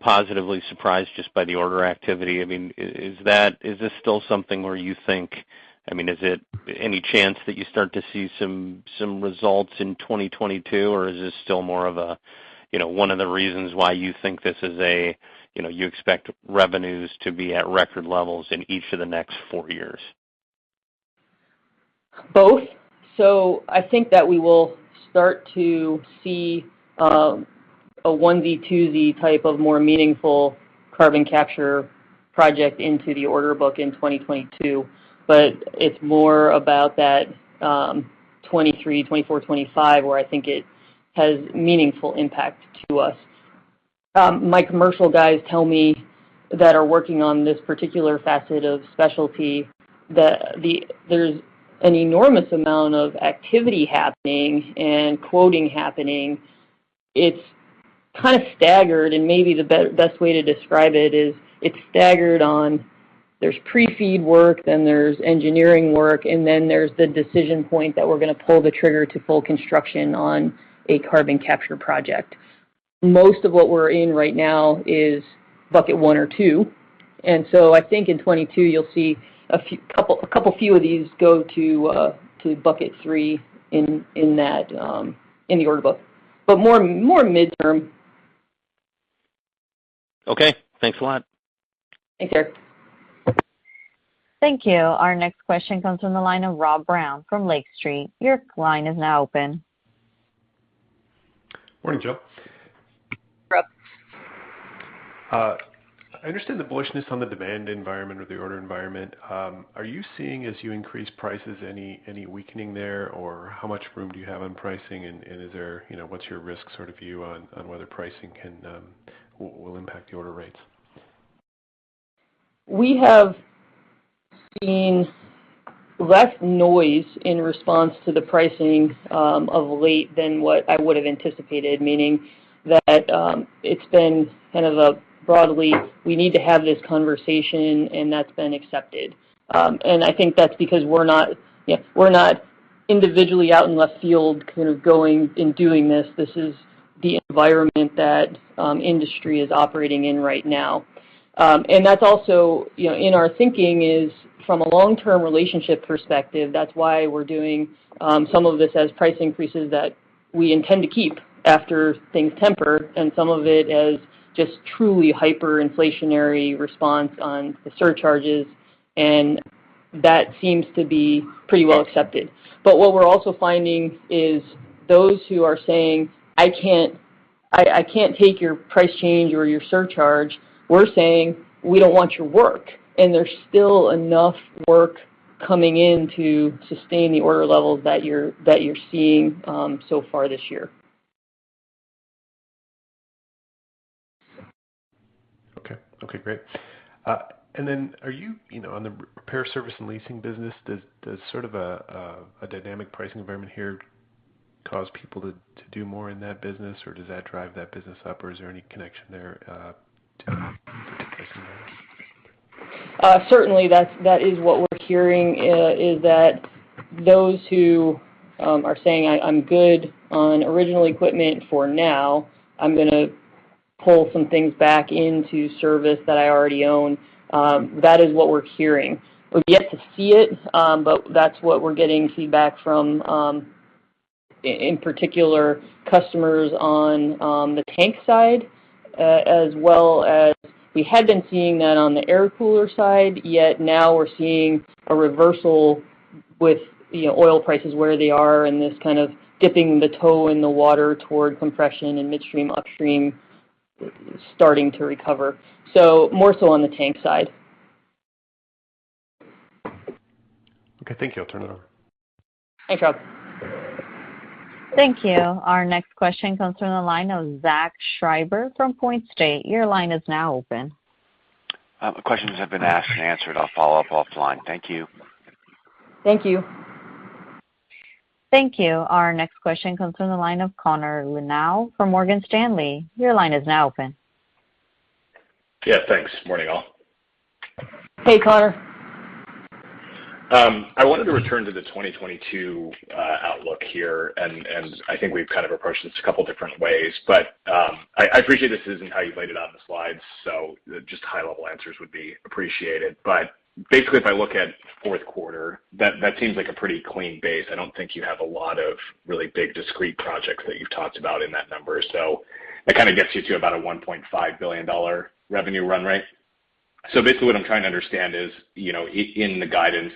positively surprised just by the order activity. Is it any chance that you start to see some results in 2022, or is this still more of one of the reasons why you think you expect revenues to be at record levels in each of the next four years? Both. I think that we will start to see a 1Z, 2Z type of more meaningful carbon capture project into the order book in 2022. It's more about that 2023, 2024, 2025, where I think it has meaningful impact to us. My commercial guys tell me, that are working on this particular facet of specialty, that there's an enormous amount of activity happening and quoting happening. It's kind of staggered, and maybe the best way to describe it is it's staggered on, there's pre-FEED work, then there's engineering work, and then there's the decision point that we're going to pull the trigger to full construction on a carbon capture project. Most of what we're in right now is bucket one or two, and so I think in 2022 you'll see a couple few of these go to bucket three in the order book. More midterm. Okay. Thanks a lot. Thanks, Eric. Thank you. Our next question comes from the line of Rob Brown from Lake Street. Your line is now open. Morning, Jill. Rob. I understand the bullishness on the demand environment or the order environment. Are you seeing, as you increase prices, any weakening there? How much room do you have in pricing, and what's your risk sort of view on whether pricing will impact the order rates? We have seen less noise in response to the pricing of late than what I would have anticipated, meaning that it's been kind of a broadly, we need to have this conversation, and that's been accepted. I think that's because we're not individually out in left field kind of going and doing this. This is the environment that industry is operating in right now. That's also, in our thinking is, from a long-term relationship perspective, that's why we're doing some of this as price increases that we intend to keep after things temper, and some of it as just truly hyperinflationary response on the surcharges, and that seems to be pretty well accepted. What we're also finding is those who are saying, I can't take your price change or your surcharge, we're saying, we don't want your work. There's still enough work coming in to sustain the order levels that you're seeing so far this year. Okay. Great. Are you, on the repair service and leasing business, does sort of a dynamic pricing environment here cause people to do more in that business, or does that drive that business up, or is there any connection there to the pricing there? Certainly, that is what we're hearing is that those who are saying, I'm good on original equipment for now, I'm going to pull some things back into service that I already own. That is what we're hearing. We've yet to see it, but that's what we're getting feedback from, in particular, customers on the tank side, as well as we had been seeing that on the air cooler side, yet now we're seeing a reversal with oil prices where they are and this kind of dipping the toe in the water toward compression and midstream, upstream starting to recover. More so on the tank side. Okay. Thank you. I'll turn it over. Thanks, Rob. Thank you. Our next question comes from the line of Zachary Schreiber from PointState Capital. Your line is now open. My questions have been asked and answered. I'll follow up offline. Thank you. Thank you. Thank you. Our next question comes from the line of Connor Lynagh from Morgan Stanley. Your line is now open. Yeah, thanks. Morning, all. Hey, Connor. I wanted to return to the 2022 outlook here, and I think we've kind of approached this a couple different ways, but I appreciate this isn't how you've laid it out on the slides, so just high level answers would be appreciated. Basically if I look at fourth quarter, that seems like a pretty clean base. I don't think you have a lot of really big discrete projects that you've talked about in that number. That kind of gets you to about a $1.5 billion revenue run rate. Basically what I'm trying to understand is, in the guidance,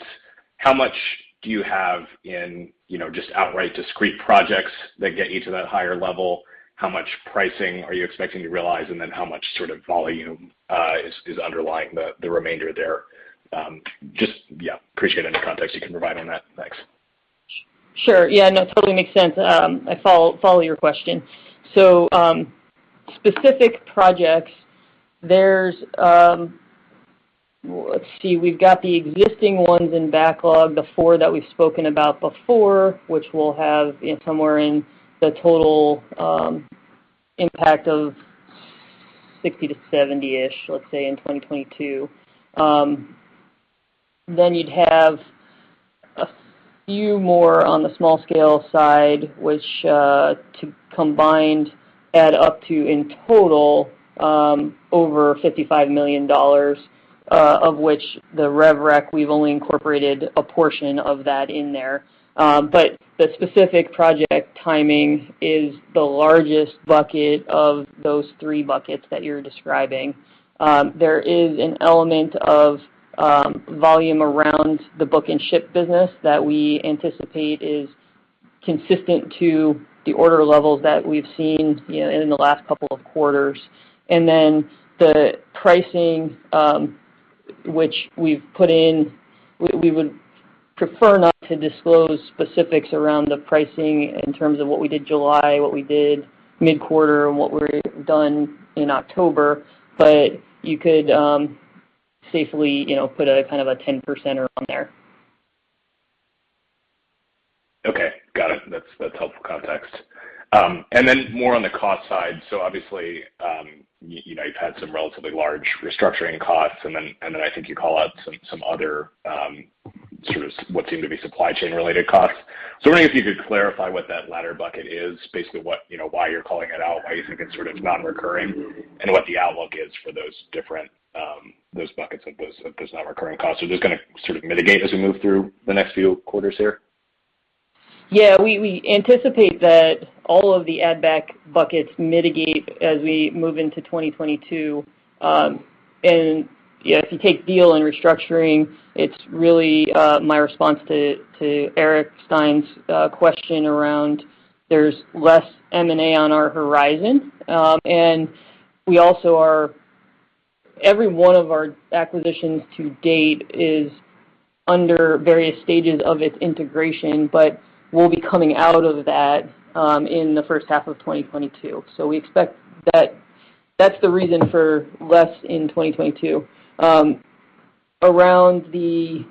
how much do you have in just outright discrete projects that get you to that higher level? How much pricing are you expecting to realize, and then how much sort of volume is underlying the remainder there? Just, yeah, appreciate any context you can provide on that. Thanks. Sure. Yeah, no, totally makes sense. I follow your question. Specific projects, there's. Let's see. We've got the existing ones in backlog, the four that we've spoken about before, which will have somewhere in the total impact of 60-70-ish, let's say, in 2022. You'd have a few more on the small scale side, which, combined, add up to in total over $55 million, of which the rev rec, we've only incorporated a portion of that in there. The specific project timing is the largest bucket of those three buckets that you're describing. There is an element of volume around the book and ship business that we anticipate is consistent to the order levels that we've seen in the last couple of quarters. The pricing, which we've put in, we would prefer not to disclose specifics around the pricing in terms of what we did July, what we did mid-quarter, and what we're done in October. You could safely put a 10% around there. Okay. Got it. That's helpful context. more on the cost side, so obviously, you've had some relatively large restructuring costs, and then I think you call out some other sort of what seem to be supply chain related costs. I was wondering if you could clarify what that latter bucket is, basically why you're calling it out, why you think it's sort of non-recurring, and what the outlook is for those buckets of those non-recurring costs. Are those going to sort of mitigate as we move through the next few quarters here? Yeah. We anticipate that all of the add back buckets mitigate as we move into 2022. If you take deal and restructuring, it's really my response to Eric Stine's question around there's less M&A on our horizon. Every one of our acquisitions to-date is under various stages of its integration, but we'll be coming out of that in the first half of 2022. We expect that that's the reason for less in 2022. Around the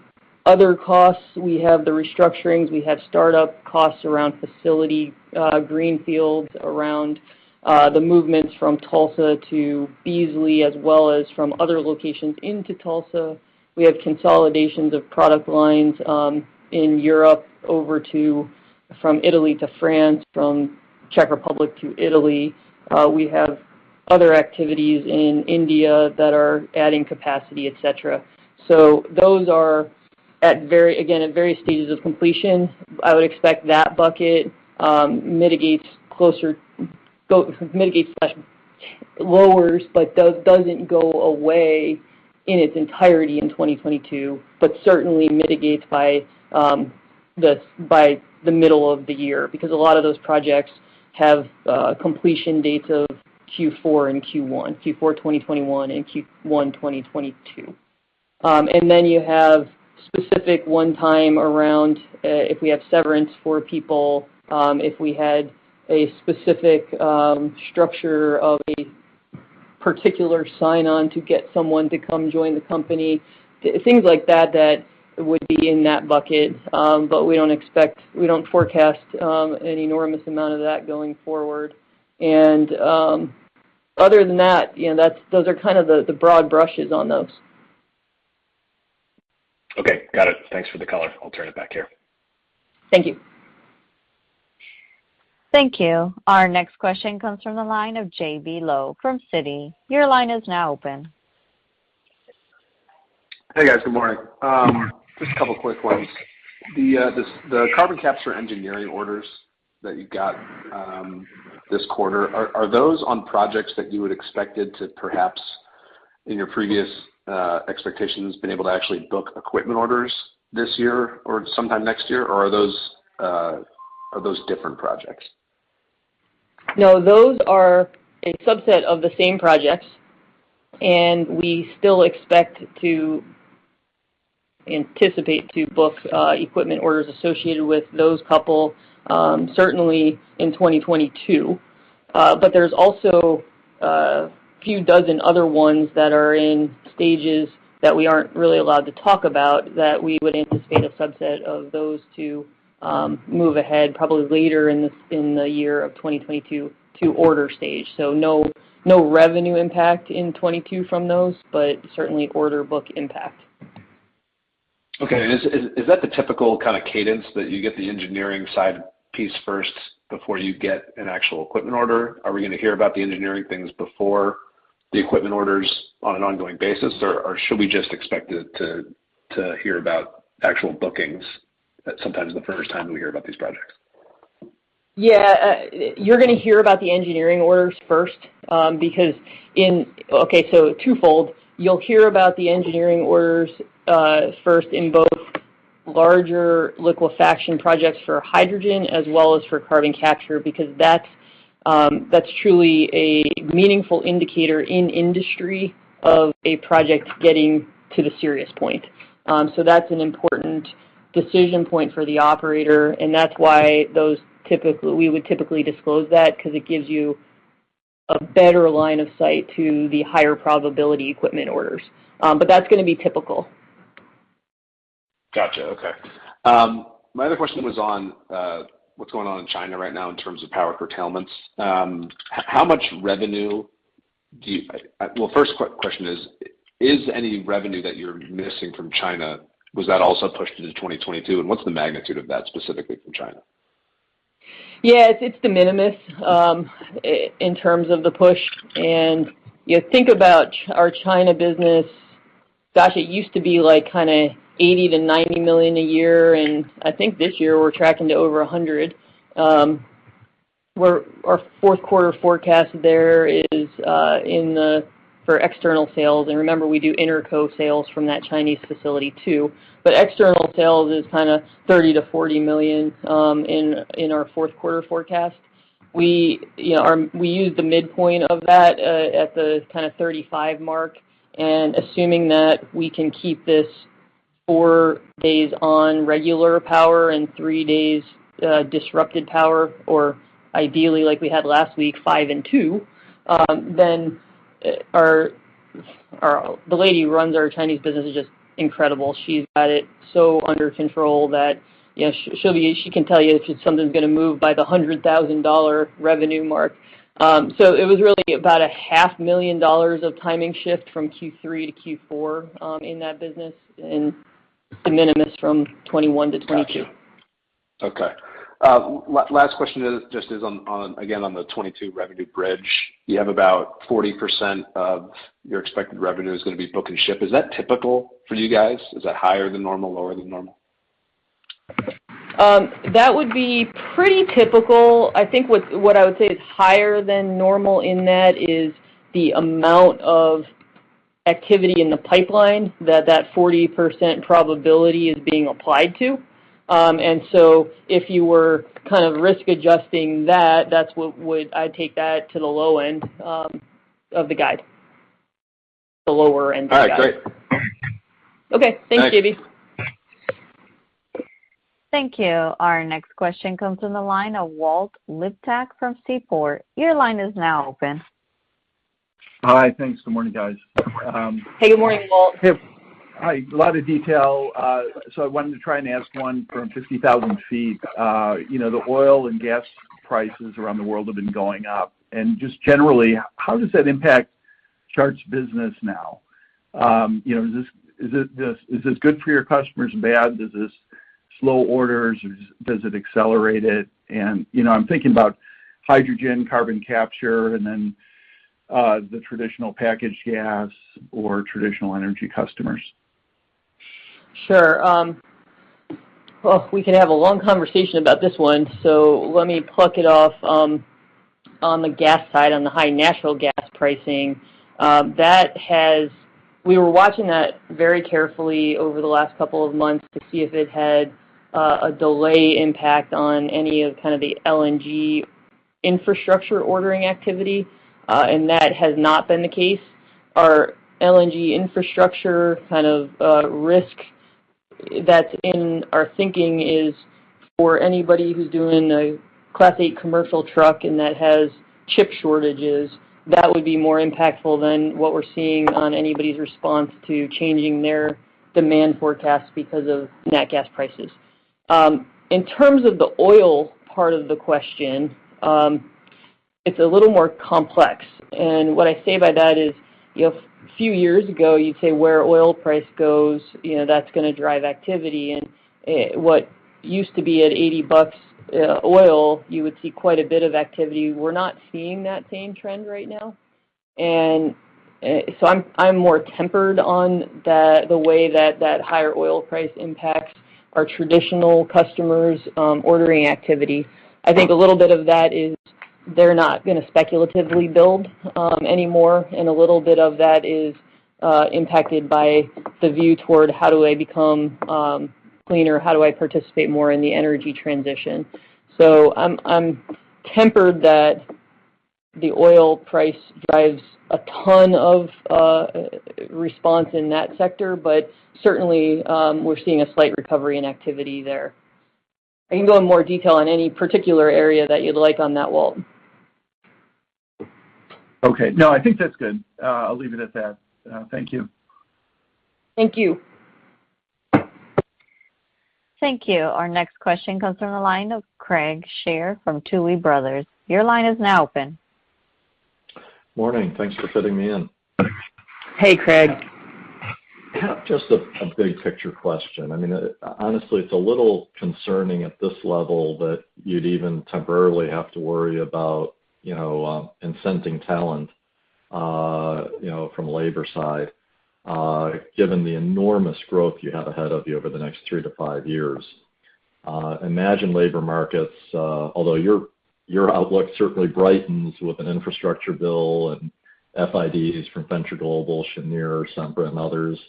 other costs, we have the restructurings. We have startup costs around facility greenfields, around the movements from Tulsa to Beasley, as well as from other locations into Tulsa. We have consolidations of product lines in Europe over from Italy to France, from Czech Republic to Italy. We have other activities in India that are adding capacity, et cetera. Those are, again, at various stages of completion. I would expect that bucket mitigates/lowers, but doesn't go away in its entirety in 2022, but certainly mitigates by the middle of the year, because a lot of those projects have completion dates of Q4 and Q1, Q4 2021 and Q1 2022. You have specific one-time around if we have severance for people, if we had a specific structure of a particular sign-on to get someone to come join the company, things like that would be in that bucket. We don't forecast an enormous amount of that going forward. Other than that, those are kind of the broad brushes on those. Okay. Got it. Thanks for the color. I'll turn it back here. Thank you. Thank you. Our next question comes from the line of J.B. Lowe from Citi. Your line is now open. Hey, guys. Good morning. Just a couple quick ones. The carbon capture engineering orders that you got this quarter, are those on projects that you had expected to perhaps, in your previous expectations, been able to actually book equipment orders this year or sometime next year, or are those different projects? No, those are a subset of the same projects, and we still expect to anticipate to book equipment orders associated with those couple, certainly in 2022. There's also a few dozen other ones that are in stages that we aren't really allowed to talk about, that we would anticipate a subset of those to move ahead probably later in the year of 2022 to order stage. No revenue impact in 2022 from those, but certainly order book impact. Okay. Is that the typical kind of cadence that you get the engineering side piece first before you get an actual equipment order? Are we going to hear about the engineering things before the equipment orders on an ongoing basis? Should we just expect to hear about actual bookings sometimes the first time we hear about these projects? Yeah. You're going to hear about the engineering orders first because, okay, twofold. You'll hear about the engineering orders first in both larger liquefaction projects for hydrogen as well as for carbon capture, because that's truly a meaningful indicator in industry of a project getting to the serious point. That's an important decision point for the operator, and that's why we would typically disclose that because it gives you a better line of sight to the higher probability equipment orders. That's going to be typical. Got you. Okay. My other question was on what's going on in China right now in terms of power curtailments. Well, first question is any revenue that you're missing from China, was that also pushed into 2022? What's the magnitude of that specifically from China? Yes, it's de minimis in terms of the push, and you think about our China business, gosh, it used to be kind of $80 million-$90 million a year, and I think this year we're tracking to over $100 million. Our fourth quarter forecast there is for external sales, and remember, we do interco sales from that Chinese facility too, but external sales is kind of $30 million-$40 million in our fourth quarter forecast. We use the midpoint of that at the kind of 35 mark, and assuming that we can keep this four days on regular power and three days disrupted power, or ideally like we had last week, five and two, then the lady who runs our Chinese business is just incredible. She's got it so under control that she can tell you if something's going to move by the $100,000 revenue mark. It was really about $500,000 of timing shift from Q3 to Q4 in that business and de minimis from 2021 to 2022. Got you. Okay. Last question just is, again, on the 2022 revenue bridge. You have about 40% of your expected revenue is going to be book and ship. Is that typical for you guys? Is that higher than normal, lower than normal? That would be pretty typical. I think what I would say is higher than normal in that is the amount of activity in the pipeline that 40% probability is being applied to. If you were kind of risk adjusting that's what would I'd take that to the low end of the guide. The lower end of the guide. All right, great. Okay. Thanks, J.B. Thank you. Our next question comes from the line of Walter Liptak from Seaport. Your line is now open. Hi. Thanks. Good morning, guys. Hey. Good morning, Walt. Hi. A lot of detail, so I wanted to try and ask one from 50,000 ft. The oil and gas prices around the world have been going up, and just generally, how does that impact Chart's business now? Is this good for your customers? Bad? Does this slow orders or does it accelerate it? I'm thinking about hydrogen, carbon capture, and then the traditional packaged gas or traditional energy customers. Sure. We could have a long conversation about this one, so let me pluck it off on the gas side, on the high natural gas pricing. We were watching that very carefully over the last couple of months to see if it had a delay impact on any of kind of the LNG infrastructure ordering activity, and that has not been the case. Our LNG infrastructure kind of risk that's in our thinking is for anybody who's doing a Class 8 commercial truck and that has chip shortages, that would be more impactful than what we're seeing on anybody's response to changing their demand forecast because of nat gas prices. In terms of the oil part of the question, it's a little more complex. What I say by that is, a few years ago, you'd say where oil price goes, that's going to drive activity, and what used to be at $80 oil, you would see quite a bit of activity. We're not seeing that same trend right now, and so I'm more tempered on the way that that higher oil price impacts our traditional customers' ordering activity. I think a little bit of that is they're not going to speculatively build anymore, and a little bit of that is impacted by the view toward how do I become cleaner? How do I participate more in the energy transition? I'm tempered that the oil price drives a ton of response in that sector. Certainly, we're seeing a slight recovery in activity there. I can go in more detail on any particular area that you'd like on that, Walt. Okay. No, I think that's good. I'll leave it at that. Thank you. Thank you. Thank you. Our next question comes from the line of Craig Shere from Tuohy Brothers. Your line is now open. Morning. Thanks for fitting me in. Hey, Craig. Kind of just a big picture question. I mean, honestly, it's a little concerning at this level that you'd even temporarily have to worry about incenting talent from labor side, given the enormous growth you have ahead of you over the next three to five years. Imagine labor markets, although your outlook certainly brightens with an infrastructure bill and FIDs from Venture Global, Cheniere, Sempra, and others,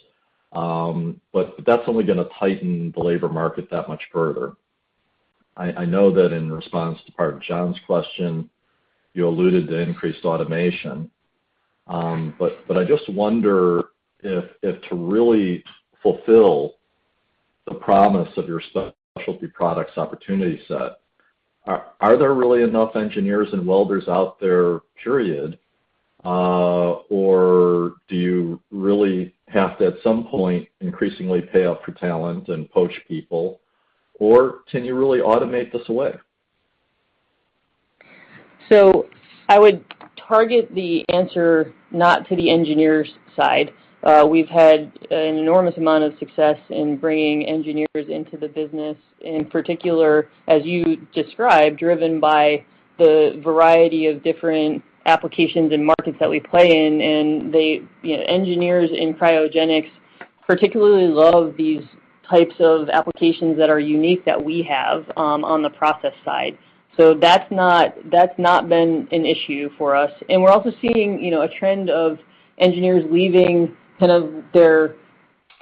but that's only going to tighten the labor market that much further. I know that in response to part of John's question, you alluded to increased automation. I just wonder if to really fulfill the promise of your specialty products opportunity set. Are there really enough engineers and welders out there, period or do you really have to, at some point, increasingly pay up for talent and poach people, or can you really automate this away? I would target the answer not to the engineer's side. We've had an enormous amount of success in bringing engineers into the business. In particular, as you described, driven by the variety of different applications and markets that we play in. Engineers in cryogenics particularly love these types of applications that are unique that we have, on the process side. That's not been an issue for us. We're also seeing a trend of engineers leaving kind of their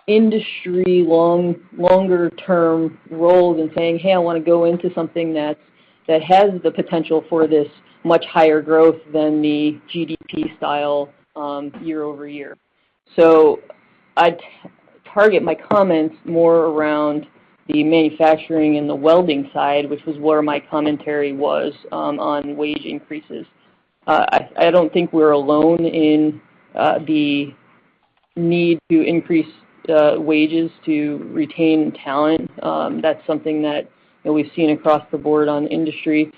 industry longer-term roles and saying, hey, I want to go into something that has the potential for this much higher growth than the GDP style, year-over-year. I'd target my comments more around the manufacturing and the welding side, which was where my commentary was on wage increases. I don't think we're alone in the need to increase wages to retain talent. That's something that we've seen across the board on industry.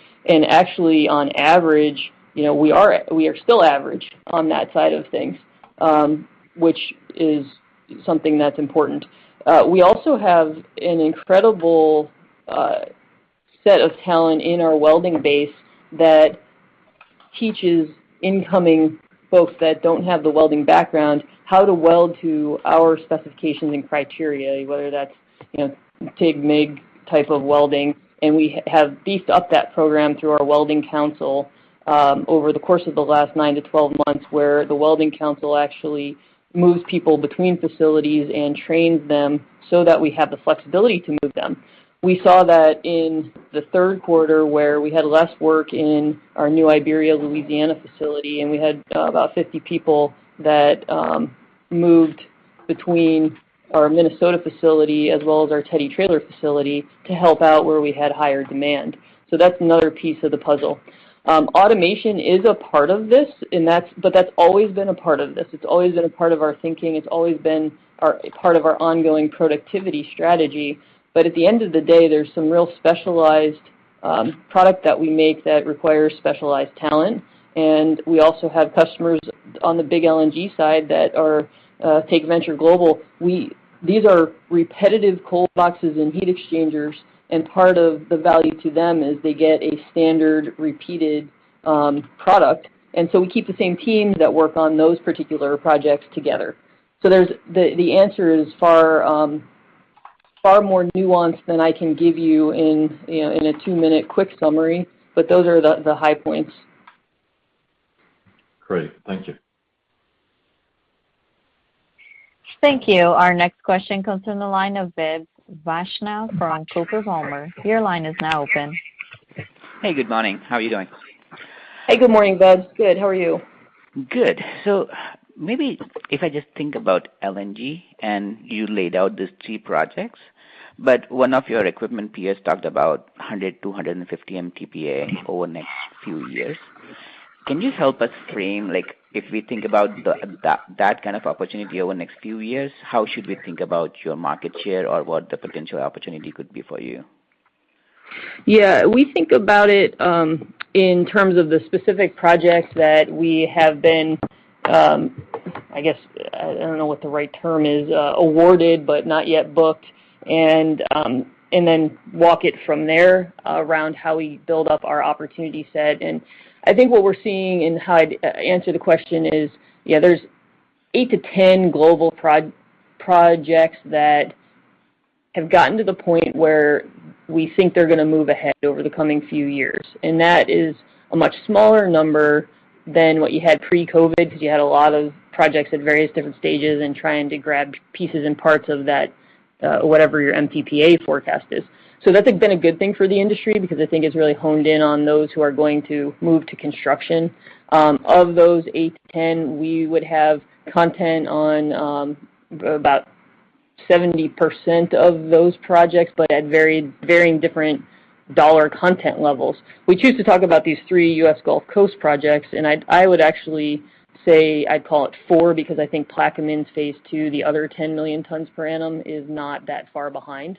Actually, on average, we are still average on that side of things, which is something that's important. We also have an incredible set of talent in our welding base that teaches incoming folks that don't have the welding background how to weld to our specifications and criteria, whether that's TIG/MIG type of welding. We have beefed up that program through our welding council over the course of the last nine to 12 months, where the welding council actually moves people between facilities and trains them so that we have the flexibility to move them. We saw that in the third quarter, where we had less work in our New Iberia, Louisiana facility, and we had about 50 people that moved between our Minnesota facility as well as our Theodore Trailer facility to help out where we had higher demand. That's another piece of the puzzle. Automation is a part of this, but that's always been a part of this. It's always been a part of our thinking. It's always been part of our ongoing productivity strategy. At the end of the day, there's some real specialized product that we make that requires specialized talent. We also have customers on the big LNG side, take Venture Global. These are repetitive cold boxes and heat exchangers, and part of the value to them is they get a standard repeated product. We keep the same teams that work on those particular projects together. The answer is far more nuanced than I can give you in a two-minute quick summary, but those are the high points. Great. Thank you. Thank you. Our next question comes from the line of Vebs Vaishnav from Coker Palmer. Your line is now open. Hey, good morning. How are you doing? Hey, good morning, Vebs. Good. How are you? Good. Maybe if I just think about LNG. You laid out these three projects. One of your equipment peers talked about 100-250 MTPA over the next few years. Can you help us frame, if we think about that kind of opportunity over the next few years, how should we think about your market share or what the potential opportunity could be for you? Yeah. We think about it in terms of the specific projects that we have been, I guess, I don't know what the right term is, awarded, but not yet booked. Then walk it from there around how we build up our opportunity set. I think what we're seeing in how I'd answer the question is, yeah, there's 8-10 global projects that have gotten to the point where we think they're going to move ahead over the coming few years. That is a much smaller number than what you had pre-COVID, because you had a lot of projects at various different stages and trying to grab pieces and parts of that, whatever your MTPA forecast is. That's been a good thing for the industry because I think it's really honed in on those who are going to move to construction. Of those eight to 10, we would have content on about 70% of those projects, but at varying different dollar content levels. We choose to talk about these three U.S. Gulf Coast projects, and I would actually say I'd call it four because I think Plaquemines Phase II, the other 10 million tons per annum is not that far behind.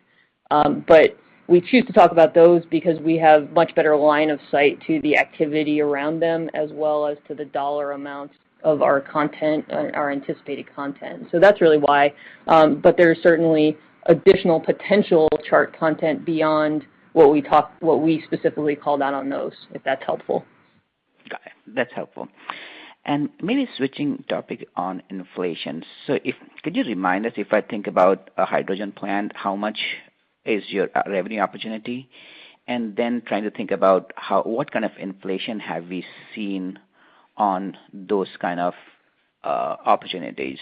We choose to talk about those because we have much better line of sight to the activity around them as well as to the dollar amounts of our anticipated content. That's really why. There's certainly additional potential Chart content beyond what we specifically called out on those, if that's helpful. Got it. That's helpful. Maybe switching topic on inflation. Could you remind us, if I think about a hydrogen plant, how much is your revenue opportunity? Then trying to think about what kind of inflation have we seen on those kind of opportunities?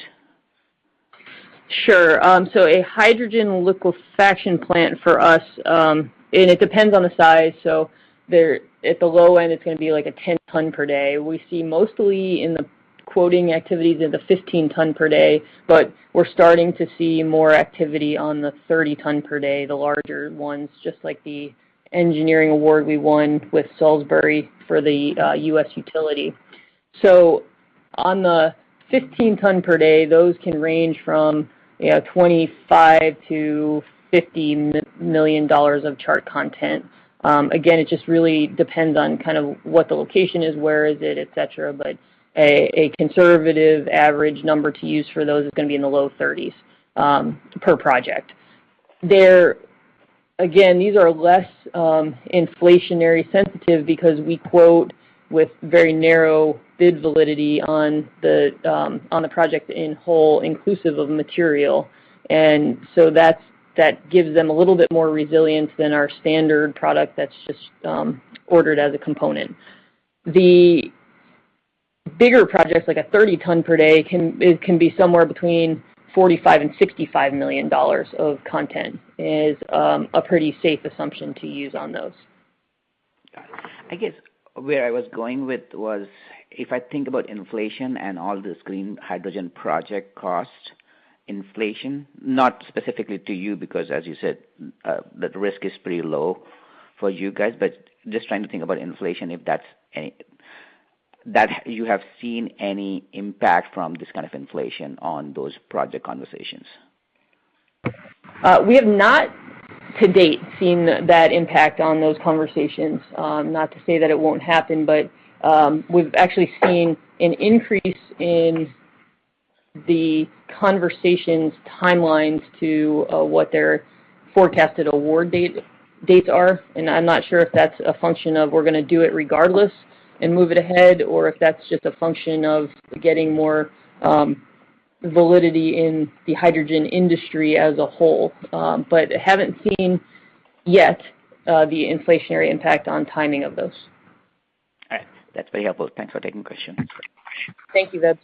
Sure. A hydrogen liquefaction plant for us, and it depends on the size, at the low end, it's going to be like a 10 ton per day. We see mostly in the quoting activities of the 15 ton per day, but we're starting to see more activity on the 30 ton per day, the larger ones, just like the engineering award we won with Saulsbury for the U.S. utility. On the 15 ton per day, those can range from $25 million-$50 million of Chart content. Again, it just really depends on what the location is, where is it, et cetera, but a conservative average number to use for those is going to be in the low 30s per project. Again, these are less inflationary sensitive because we quote with very narrow bid validity on the project in whole, inclusive of material. That gives them a little bit more resilience than our standard product that's just ordered as a component. The bigger projects, like a 30 ton per day, it can be somewhere between $45 and $65 million of content is a pretty safe assumption to use on those. Got it. I guess where I was going with was, if I think about inflation and all this green hydrogen project cost inflation, not specifically to you because, as you said, the risk is pretty low for you guys, but just trying to think about inflation, if you have seen any impact from this kind of inflation on those project conversations. We have not to-date seen that impact on those conversations. Not to say that it won't happen, but we've actually seen an increase in the conversations timelines to what their forecasted award dates are. I'm not sure if that's a function of we're going to do it regardless and move it ahead, or if that's just a function of getting more validity in the hydrogen industry as a whole. Haven't seen yet the inflationary impact on timing of those. All right. That's very helpful. Thanks for taking the question. Thank you, Vebs.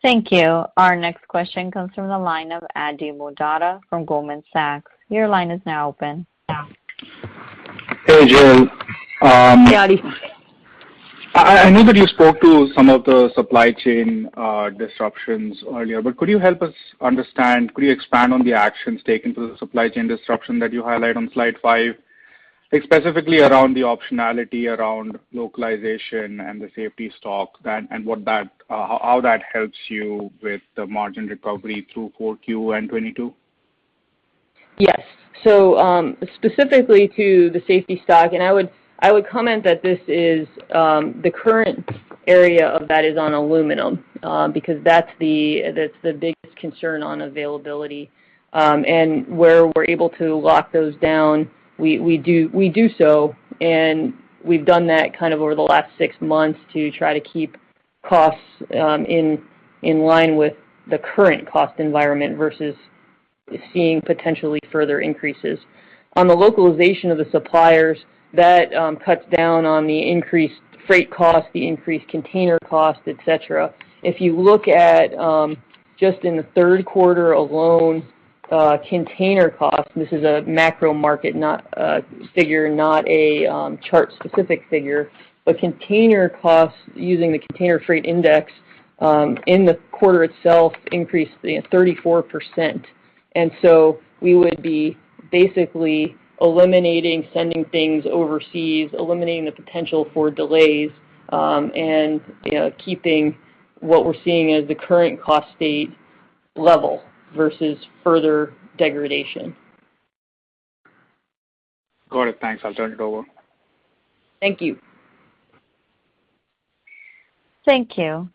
Thank you. Our next question comes from the line of Atidrip Modak from Goldman Sachs. Your line is now open. Hey, Jill. Hi, Ati. I know that you spoke to some of the supply chain disruptions earlier, but could you help us understand, could you expand on the actions taken for the supply chain disruption that you highlight on Slide 5, specifically around the optionality around localization and the safety stock, and how that helps you with the margin recovery through Q4 and 2022? Yes. Specifically to the safety stock, and I would comment that this is the current area of that is on aluminum, because that's the biggest concern on availability. Where we're able to lock those down, we do so, and we've done that over the last six months to try to keep costs in line with the current cost environment versus seeing potentially further increases. On the localization of the suppliers, that cuts down on the increased freight cost, the increased container cost, et cetera. If you look at just in the third quarter alone, container costs, this is a macro market figure, not a Chart-specific figure, but container costs using the container freight index, in the quarter itself increased 34%. We would be basically eliminating sending things overseas, eliminating the potential for delays, and keeping what we're seeing as the current cost state level versus further degradation. Got it. Thanks. I'll turn it over. Thank you. Thank you.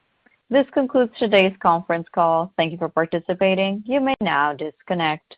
This concludes today's conference call. Thank you for participating. You may now disconnect.